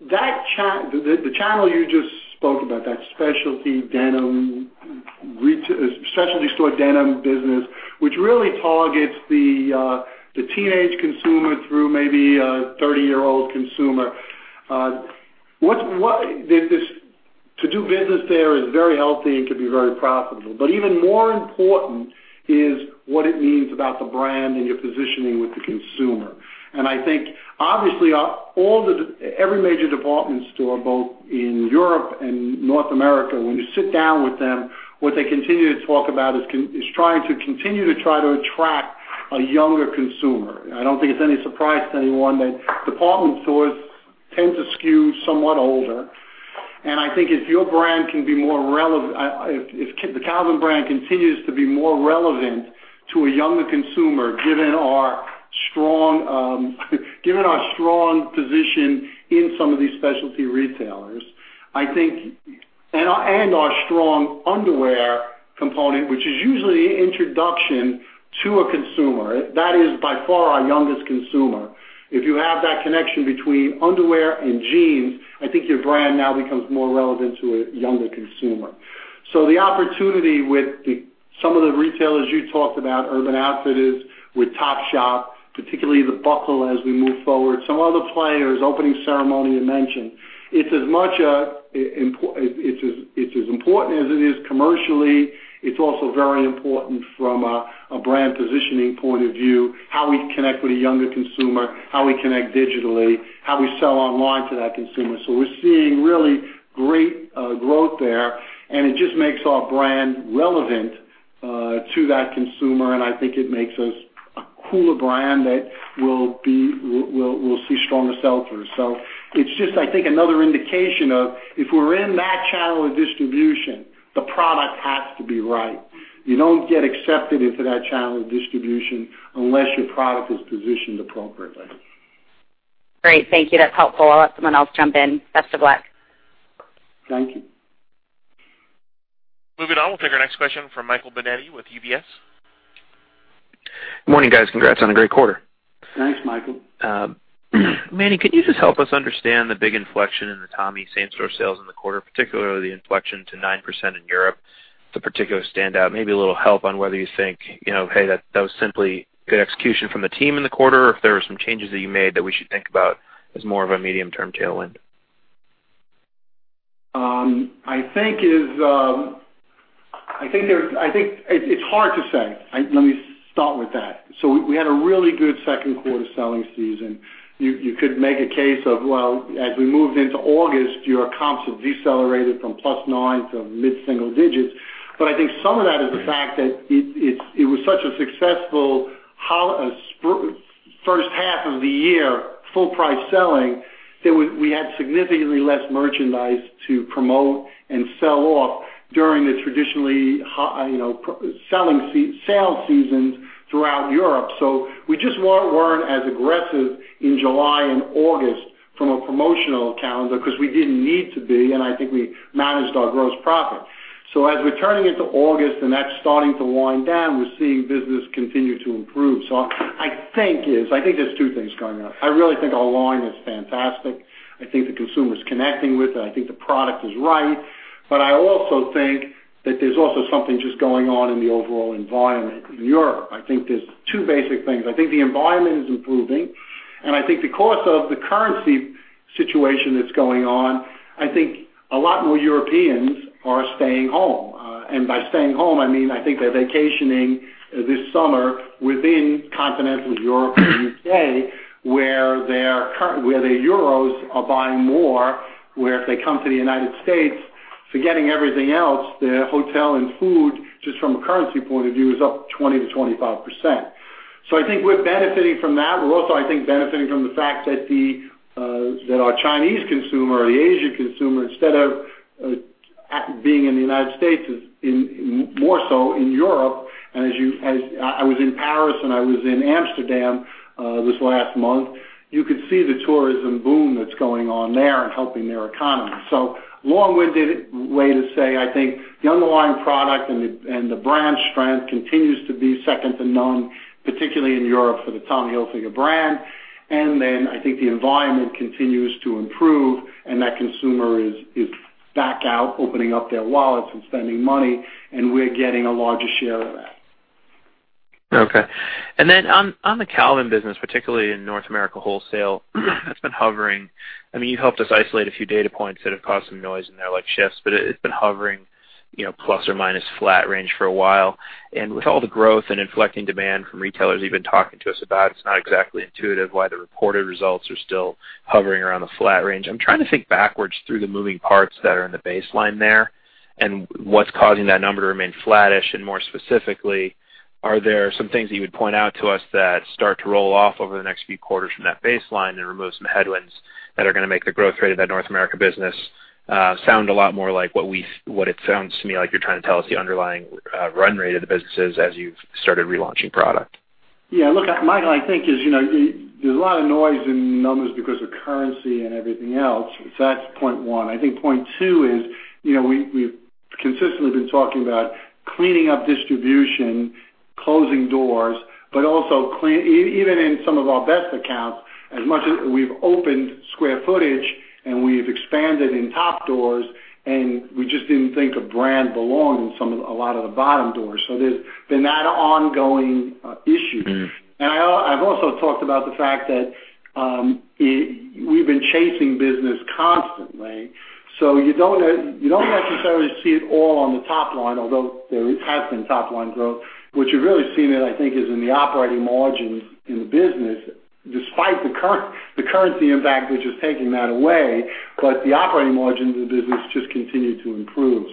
the channel you just spoke about, that specialty store denim business, which really targets the teenage consumer through maybe a 30-year-old consumer. To do business there is very healthy and can be very profitable. Even more important is what it means about the brand and your positioning with the consumer. I think obviously every major department store, both in Europe and North America, when you sit down with them, what they continue to talk about is trying to attract a younger consumer. I don't think it's any surprise to anyone that department stores tend to skew somewhat older, and I think if your brand can be more relevant if the Calvin brand continues to be more relevant to a younger consumer, given our strong position in some of these specialty retailers. Our strong underwear component, which is usually the introduction to a consumer. That is by far our youngest consumer. If you have that connection between underwear and jeans, I think your brand now becomes more relevant to a younger consumer. The opportunity with some of the retailers you talked about, Urban Outfitters, with Topshop, particularly The Buckle as we move forward. Some other players, Opening Ceremony you mentioned. It's as important as it is commercially. It's also very important from a brand positioning point of view, how we connect with a younger consumer, how we connect digitally, how we sell online to that consumer. We're seeing really great growth there, and it just makes our brand relevant to that consumer, and I think it makes us a cooler brand that will see stronger sell-throughs. It's just another indication of, if we're in that channel of distribution, the product has to be right. You don't get accepted into that channel of distribution unless your product is positioned appropriately. Great. Thank you. That's helpful. I'll let someone else jump in. Best of luck. Thank you. Moving on. We'll take our next question from Michael Binetti with UBS. Good morning, guys. Congrats on a great quarter. Thanks, Michael. Manny, can you just help us understand the big inflection in the Tommy same-store sales in the quarter, particularly the inflection to 9% in Europe, the particular standout, maybe a little help on whether you think, hey, that was simply good execution from the team in the quarter, or if there were some changes that you made that we should think about as more of a medium-term tailwind? It's hard to say. Let me start with that. We had a really good second quarter selling season. You could make a case of, well, as we moved into August, your comps have decelerated from plus 9 to mid-single digits. I think some of that is the fact that it was such a successful first half of the year full price selling, that we had significantly less merchandise to promote and sell off during the traditionally sale seasons throughout Europe. We just weren't as aggressive in July and August from a promotional calendar because we didn't need to be, and I think we managed our gross profit. As we're turning into August and that's starting to wind down, we're seeing business continue to improve. I think there's two things going on. I really think our line is fantastic. I think the consumer is connecting with it. I think the product is right. I also think that there's also something just going on in the overall environment in Europe. I think there's two basic things. I think the environment is improving, and I think because of the currency situation that's going on, I think a lot more Europeans are staying home. By staying home, I mean, I think they're vacationing this summer within continental Europe and U.K., where their Euros are buying more, where if they come to the U.S., forgetting everything else, their hotel and food, just from a currency point of view, is up 20%-25%. I think we're benefiting from that. We're also, I think, benefiting from the fact that our Chinese consumer or the Asian consumer, instead of being in the U.S., is more so in Europe. I was in Paris and I was in Amsterdam this last month. You could see the tourism boom that's going on there and helping their economy. Long-winded way to say, I think the underlying product and the brand strength continues to be second to none, particularly in Europe for the Tommy Hilfiger brand. I think the environment continues to improve, and that consumer is back out, opening up their wallets and spending money, and we're getting a larger share of that. Okay. On the Calvin business, particularly in North America Wholesale, it's been hovering. You helped us isolate a few data points that have caused some noise in there, like shifts, but it's been hovering plus or minus flat range for a while. With all the growth and inflecting demand from retailers you've been talking to us about, it's not exactly intuitive why the reported results are still hovering around the flat range. I'm trying to think backwards through the moving parts that are in the baseline there and what's causing that number to remain flattish. More specifically, are there some things that you would point out to us that start to roll off over the next few quarters from that baseline and remove some headwinds that are going to make the growth rate of that North America business sound a lot more like what it sounds to me like you're trying to tell us the underlying run rate of the businesses as you've started relaunching product? Yeah. Look, Mike, I think there's a lot of noise in numbers because of currency and everything else. That's point one. I think point two is, we've consistently been talking about cleaning up distribution, closing doors, but also even in some of our best accounts, as much as we've opened square footage and we've expanded in top doors, and we just didn't think a brand belonged in a lot of the bottom doors. There's been that ongoing issue. I've also talked about the fact that we've been chasing business constantly. You don't necessarily see it all on the top line, although there has been top-line growth. What you're really seeing it, I think, is in the operating margins in the business, despite the currency impact, which is taking that away. The operating margins of the business just continue to improve.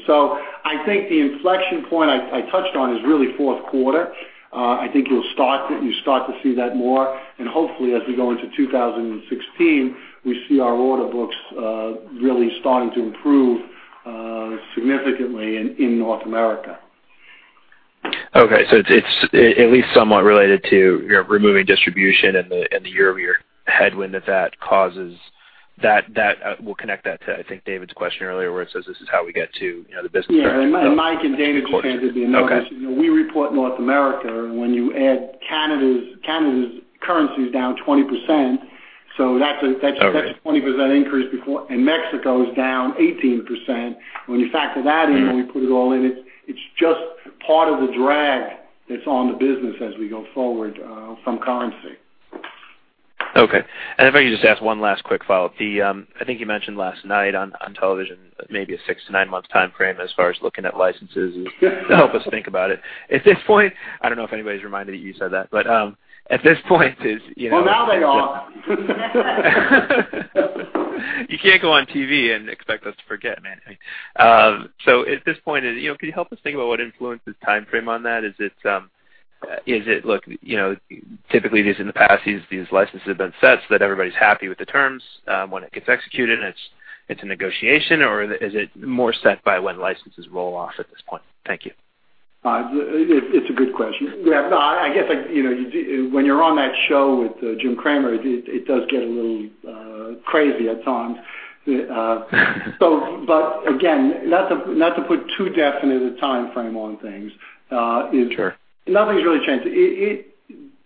I think the inflection point I touched on is really fourth quarter. I think you'll start to see that more and hopefully as we go into 2016, we see our order books really starting to improve significantly in North America. Okay. It's at least somewhat related to removing distribution and the year-over-year headwind that that causes. We'll connect that to, I think, David's question earlier, where it says this is how we get to the business. Yeah. Mike and David Okay. We report North America, when you add Canada's currency is down 20%, that's. Okay a 20% increase before. Mexico is down 18%. When you factor that in, when you put it all in, it's just part of the drag that's on the business as we go forward from currency. Okay. If I could just ask one last quick follow-up. I think you mentioned last night on television, maybe a six to nine-month time frame as far as looking at licenses. To help us think about it. At this point, I don't know if anybody's reminded that you said that, but at this point is- Well, now they are. You can't go on TV and expect us to forget, man. At this point, can you help us think about what influences time frame on that? Is it, look, typically these in the past, these licenses have been set so that everybody's happy with the terms, when it gets executed, and it's a negotiation, or is it more set by when licenses roll off at this point? Thank you. It's a good question. I guess, when you're on that show with Jim Cramer, it does get a little crazy at times. Again, not to put too definite a time frame on things. Sure Nothing's really changed.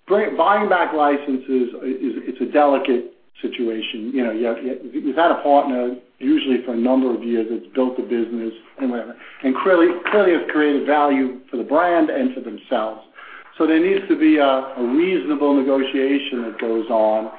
Buying back licenses, it's a delicate situation. You've had a partner, usually for a number of years, that's built the business and whatever, and clearly has created value for the brand and for themselves. There needs to be a reasonable negotiation that goes on,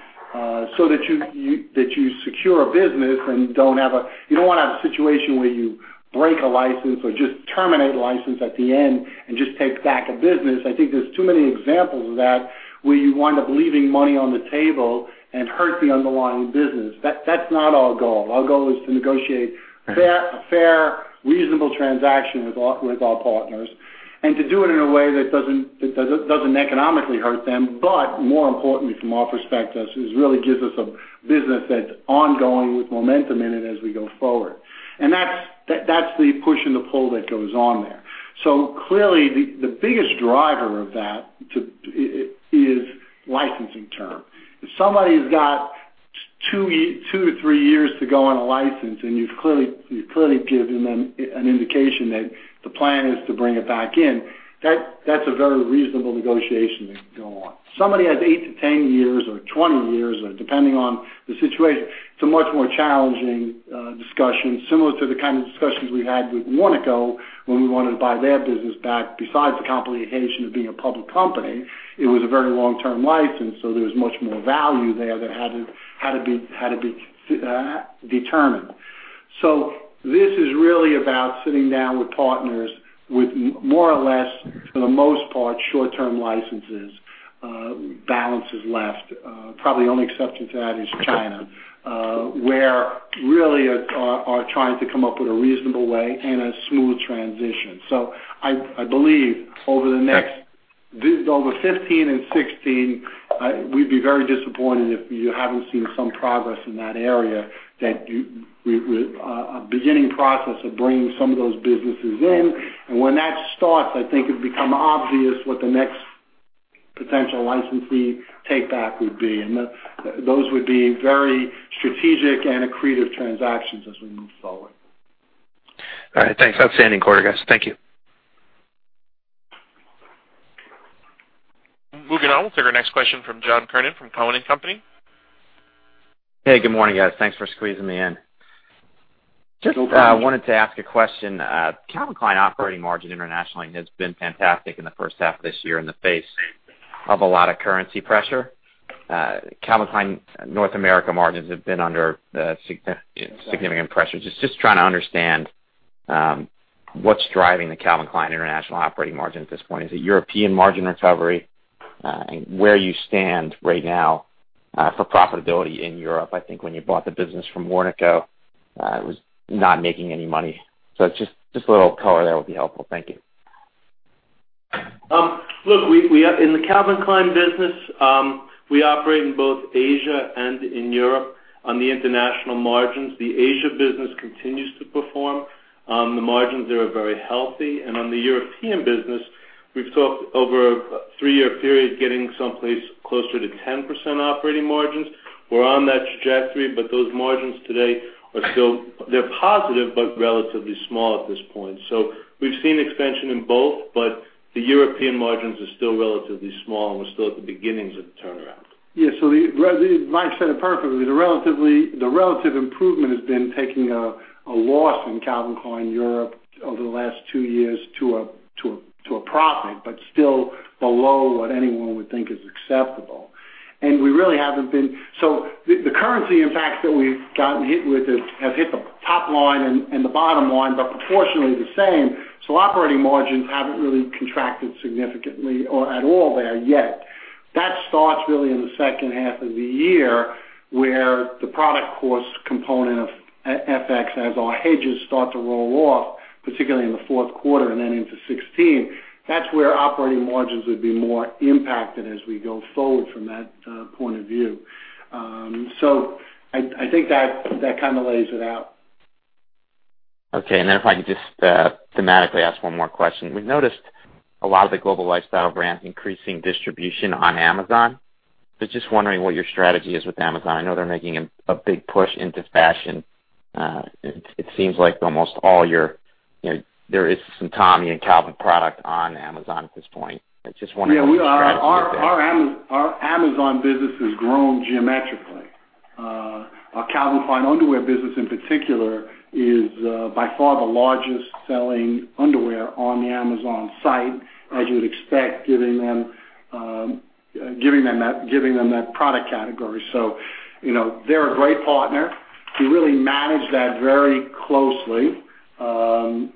so that you secure a business and you don't want to have a situation where you break a license or just terminate a license at the end and just take back a business. I think there's too many examples of that where you wind up leaving money on the table and hurt the underlying business. That's not our goal. Our goal is to negotiate a fair, reasonable transaction with our partners, and to do it in a way that doesn't economically hurt them. More importantly, from our perspective, is really gives us a business that's ongoing with momentum in it as we go forward. That's the push and the pull that goes on there. Clearly, the biggest driver of that is licensing term. If somebody's got 2-3 years to go on a license, and you've clearly given them an indication that the plan is to bring it back in, that's a very reasonable negotiation to go on. Somebody has 8-10 years or 20 years, depending on the situation, it's a much more challenging discussion, similar to the kind of discussions we had with Warnaco when we wanted to buy their business back. Besides the complication of being a public company, it was a very long-term license, so there was much more value there that had to be determined. This is really about sitting down with partners with more or less, for the most part, short-term licenses balances left. Probably the only exception to that is China, where really are trying to come up with a reasonable way and a smooth transition. I believe over the next- Okay ...over 2015 and 2016, we'd be very disappointed if you haven't seen some progress in that area. That is a beginning process of bringing some of those businesses in. When that starts, I think it'd become obvious what the next potential licensee take-back would be, and those would be very strategic and accretive transactions as we move forward. All right, thanks. Outstanding quarter, guys. Thank you. Moving on. We'll take our next question from John Kernan from Cowen and Company. Hey, good morning, guys. Thanks for squeezing me in. Sure. I wanted to ask a question. Calvin Klein operating margin internationally has been fantastic in the first half of this year in the face of a lot of currency pressure. Calvin Klein North America margins have been under significant pressure. Just trying to understand what's driving the Calvin Klein International operating margin at this point. Is it European margin recovery? And where you stand right now for profitability in Europe. I think when you bought the business from Warnaco, it was not making any money. Just a little color there would be helpful. Thank you. Look, in the Calvin Klein business, we operate in both Asia and in Europe on the international margins. The Asia business continues to perform. The margins there are very healthy. On the European business, we've talked over a three-year period getting someplace closer to 10% operating margins. We're on that trajectory, but those margins today are positive, but relatively small at this point. We've seen expansion in both, but the European margins are still relatively small, and we're still at the beginnings of the turnaround. Yes. Mike said it perfectly. The relative improvement has been taking a loss in Calvin Klein Europe over the last two years to a profit, but still below what anyone would think is acceptable. The currency, in fact, that we've gotten hit with has hit the top line and the bottom line, but proportionally the same. Operating margins haven't really contracted significantly or at all there yet. That starts really in the second half of the year, where the product cost component of FX as our hedges start to roll off, particularly in the fourth quarter and then into 2016. That's where operating margins would be more impacted as we go forward from that point of view. I think that kind of lays it out. Okay. Then if I could just thematically ask one more question. We've noticed a lot of the global lifestyle brands increasing distribution on Amazon, just wondering what your strategy is with Amazon. I know they're making a big push into fashion. It seems like there is some Tommy and Calvin product on Amazon at this point. I just wondering what your strategy is there. Our Amazon business has grown geometrically. Our Calvin Klein underwear business in particular is by far the largest selling underwear on the Amazon site, as you would expect, giving them that product category. They're a great partner. We really manage that very closely from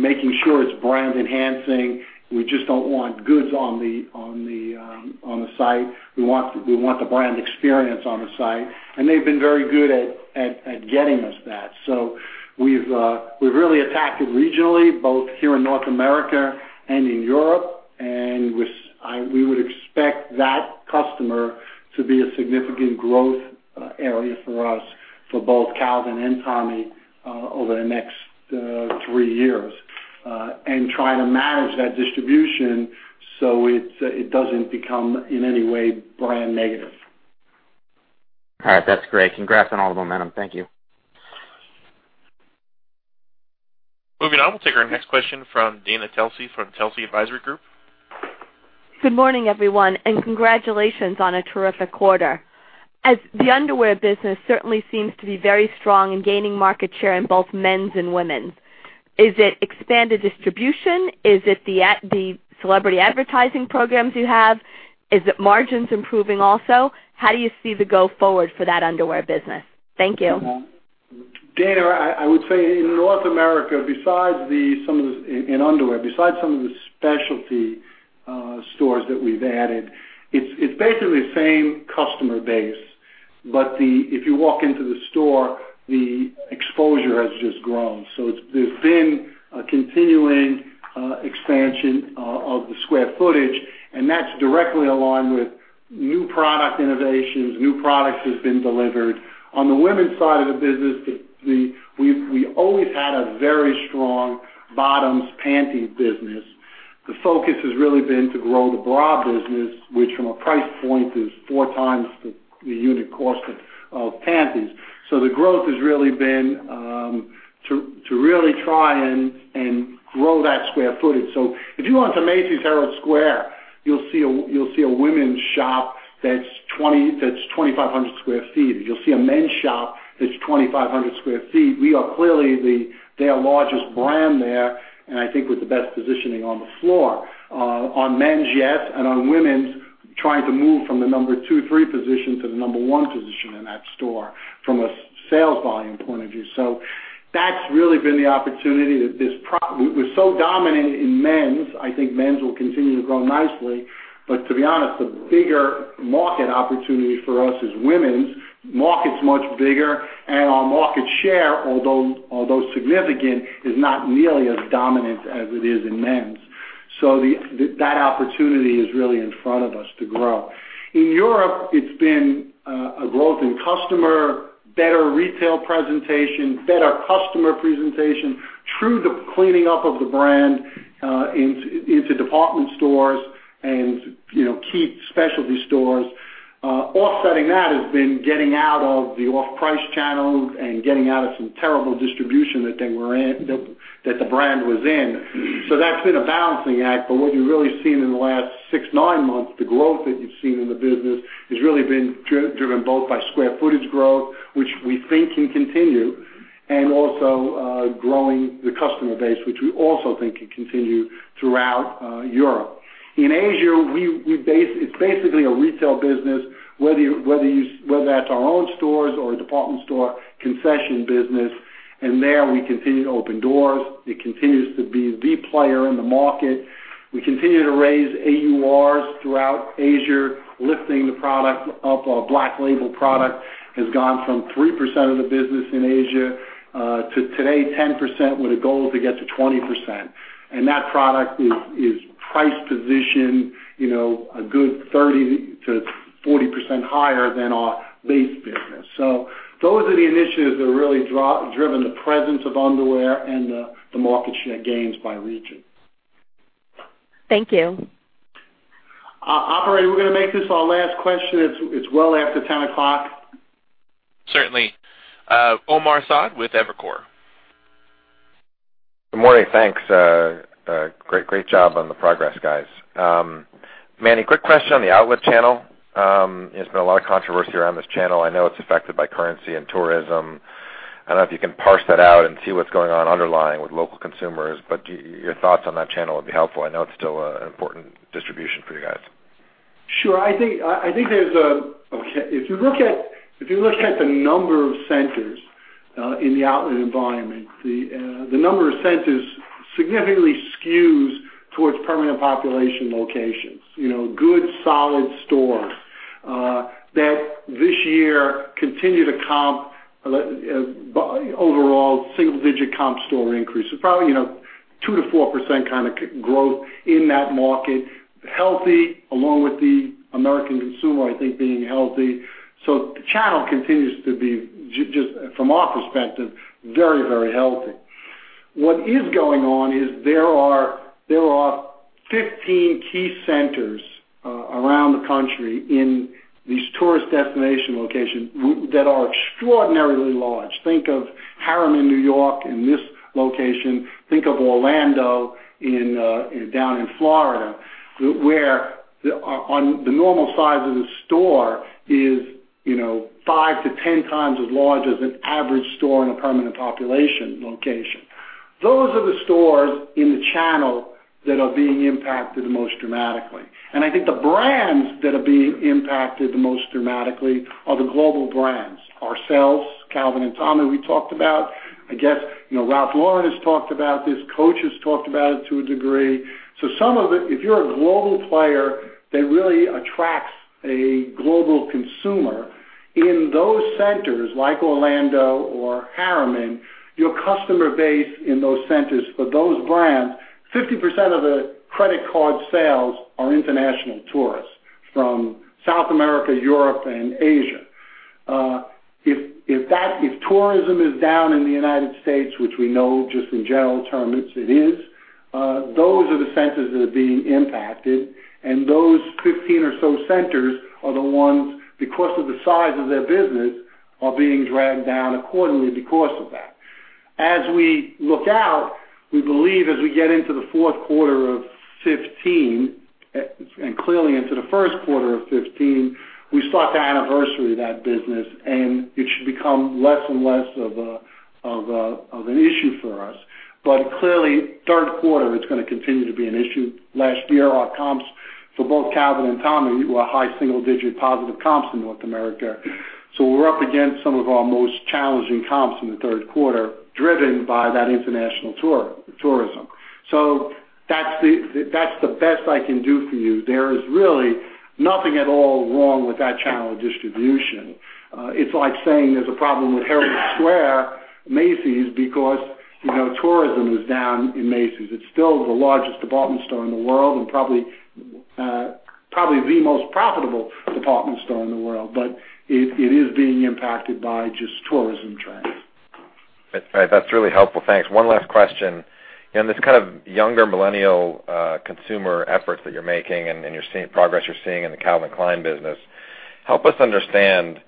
making sure it's brand enhancing. We just don't want goods on the site. We want the brand experience on the site, and they've been very good at getting us that. We've really attacked it regionally, both here in North America and in Europe. We would expect that customer to be a significant growth area for us for both Calvin and Tommy over the next three years. Try to manage that distribution so it doesn't become in any way brand negative. All right. That's great. Congrats on all the momentum. Thank you. Moving on. We'll take our next question from Dana Telsey from Telsey Advisory Group. Good morning, everyone, and congratulations on a terrific quarter. As the underwear business certainly seems to be very strong in gaining market share in both men's and women's. Is it expanded distribution? Is it the celebrity advertising programs you have? Is it margins improving also? How do you see the go forward for that underwear business? Thank you. Dana, I would say in North America, in underwear, besides some of the specialty stores that we've added, it's basically the same customer base. If you walk into the store, the exposure has just grown. There's been a continuing expansion of the square footage, and that's directly aligned with new product innovations. New products has been delivered. On the women's side of the business, we always had a very strong bottoms panties business. The focus has really been to grow the bra business, which from a price point is four times the unit cost of panties. The growth has really been to really try and grow that square footage. If you went to Macy's Herald Square, you'll see a women's shop that's 2,500 square feet. You'll see a men's shop that's 2,500 square feet. We are clearly their largest brand there, and I think with the best positioning on the floor. On men's, yes. On women's, trying to move from the number 2, 3 position to the number 1 position in that store from a sales volume point of view. That's really been the opportunity. We're so dominant in men's. I think men's will continue to grow nicely. To be honest, the bigger market opportunity for us is women's. Market's much bigger, and our market share, although significant, is not nearly as dominant as it is in men's. That opportunity is really in front of us to grow. In Europe, it's been a growth in customer, better retail presentation, better customer presentation, through the cleaning up of the brand into department stores and key specialty stores. Offsetting that has been getting out of the off-price channels and getting out of some terrible distribution that the brand was in. That's been a balancing act. What you've really seen in the last six, nine months, the growth that you've seen in the business has really been driven both by square footage growth, which we think can continue, and also growing the customer base, which we also think can continue throughout Europe. In Asia, it's basically a retail business, whether that's our own stores or a department store concession business. There we continue to open doors. It continues to be the player in the market. We continue to raise AURs throughout Asia, lifting the product up. Our Black Label product has gone from 3% of the business in Asia, to today, 10%, with a goal to get to 20%. That product is price positioned a good 30%-40% higher than our base business. Those are the initiatives that are really driven the presence of underwear and the market share gains by region. Thank you. Operator, we're going to make this our last question. It's well after 10 o'clock. Certainly. Omar Saad with Evercore. Good morning. Thanks. Great job on the progress, guys. Manny, quick question on the outlet channel. There's been a lot of controversy around this channel. I know it's affected by currency and tourism. I don't know if you can parse that out and see what's going on underlying with local consumers, but your thoughts on that channel would be helpful. I know it's still an important distribution for you guys. Sure. If you look at the number of centers in the outlet environment, the number of centers significantly skews towards permanent population locations. Good, solid stores that this year continue to comp, overall single-digit comp store increase. Probably, 2%-4% kind of growth in that market. Healthy, along with the American consumer, I think, being healthy. The channel continues to be, just from our perspective, very healthy. What is going on is there are 15 key centers around the country in these tourist destination locations that are extraordinarily large. Think of Harriman, N.Y., and this location. Think of Orlando down in Florida, where on the normal size of the store is 5 to 10 times as large as an average store in a permanent population location. Those are the stores in the channel that are being impacted the most dramatically. I think the brands that are being impacted the most dramatically are the global brands. Ourselves, Calvin and Tommy, we talked about. I guess Ralph Lauren has talked about this. Coach has talked about it to a degree. Some of it, if you're a global player that really attracts a global consumer in those centers, like Orlando or Harriman, your customer base in those centers for those brands, 50% of the credit card sales are international tourists from South America, Europe, and Asia. If tourism is down in the U.S., which we know just in general terms it is, those are the centers that are being impacted, and those 15 or so centers are the ones, because of the size of their business, are being dragged down accordingly because of that. As we look out, we believe as we get into the fourth quarter of 2015, and clearly into the first quarter of 2016, we start to anniversary that business, and it should become less and less of an issue for us. Clearly, third quarter, it's going to continue to be an issue. Last year, our comps for both Calvin and Tommy were high single-digit positive comps in North America. We're up against some of our most challenging comps in the third quarter, driven by that international tourism. That's the best I can do for you. There is really nothing at all wrong with that channel of distribution. It's like saying there's a problem with Herald Square Macy's because tourism is down in Macy's. It's still the largest department store in the world and probably the most profitable department store in the world. It is being impacted by just tourism trends. That's really helpful. Thanks. One last question. In this kind of younger millennial consumer efforts that you're making and you're seeing progress you're seeing in the Calvin Klein business, help us understand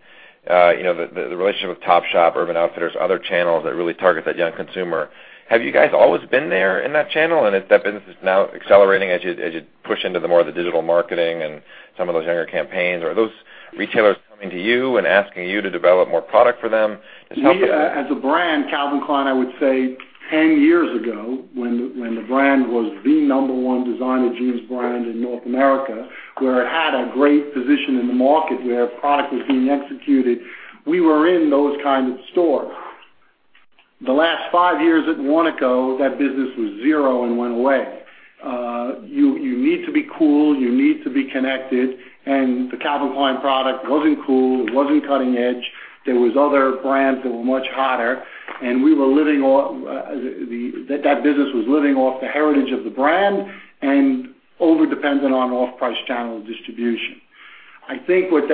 the relationship with Topshop, Urban Outfitters, other channels that really target that young consumer. Have you guys always been there in that channel? Is that business now accelerating as you push into the more of the digital marketing and some of those younger campaigns? Are those retailers coming to you and asking you to develop more product for them? As a brand, Calvin Klein, I would say 10 years ago, when the brand was the number one designer jeans brand in North America, where it had a great position in the market, where product was being executed, we were in those kinds of stores. The last five years at Warnaco, that business was zero and went away. You need to be cool. You need to be connected. The Calvin Klein product wasn't cool. It wasn't cutting edge. There was other brands that were much hotter, and that business was living off the heritage of the brand and over-dependent on off-price channel distribution. I think what's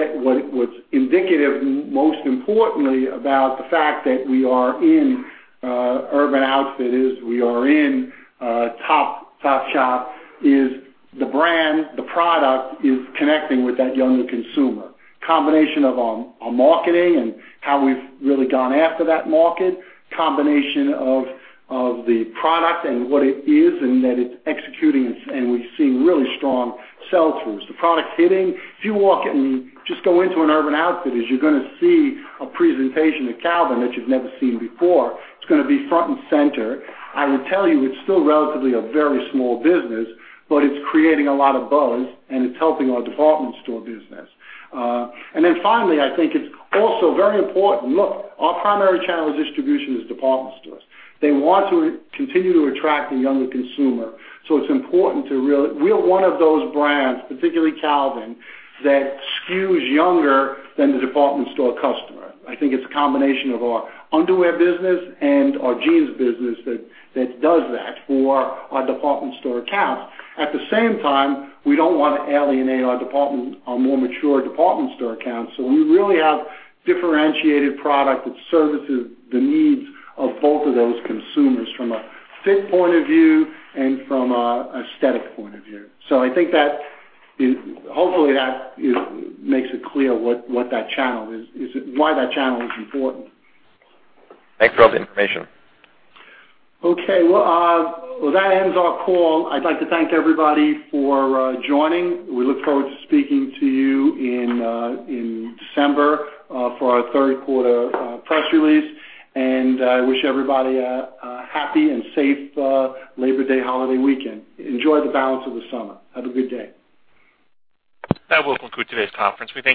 indicative, most importantly, about the fact that we are in Urban Outfitters, we are in Topshop, is the brand, the product is connecting with that younger consumer. Combination of our marketing and how we've really gone after that market, combination of the product and what it is, and that it's executing, and we're seeing really strong sell-throughs. The product's hitting. If you walk in, just go into an Urban Outfitters, you're going to see a presentation of Calvin that you've never seen before. It's going to be front and center. I will tell you it's still relatively a very small business, but it's creating a lot of buzz, and it's helping our department store business. Finally, I think it's also very important. Look, our primary channel of distribution is department stores. They want to continue to attract the younger consumer. It's important. We're one of those brands, particularly Calvin, that skews younger than the department store customer. I think it's a combination of our underwear business and our jeans business that does that for our department store accounts. At the same time, we don't want to alienate our more mature department store accounts. We really have differentiated product that services the needs of both of those consumers from a fit point of view and from an aesthetic point of view. I think that hopefully makes it clear why that channel is important. Thanks for all the information. Okay. Well, that ends our call. I'd like to thank everybody for joining. We look forward to speaking to you in December for our third quarter press release. I wish everybody a happy and safe Labor Day holiday weekend. Enjoy the balance of the summer. Have a good day. That will conclude today's conference. We thank you.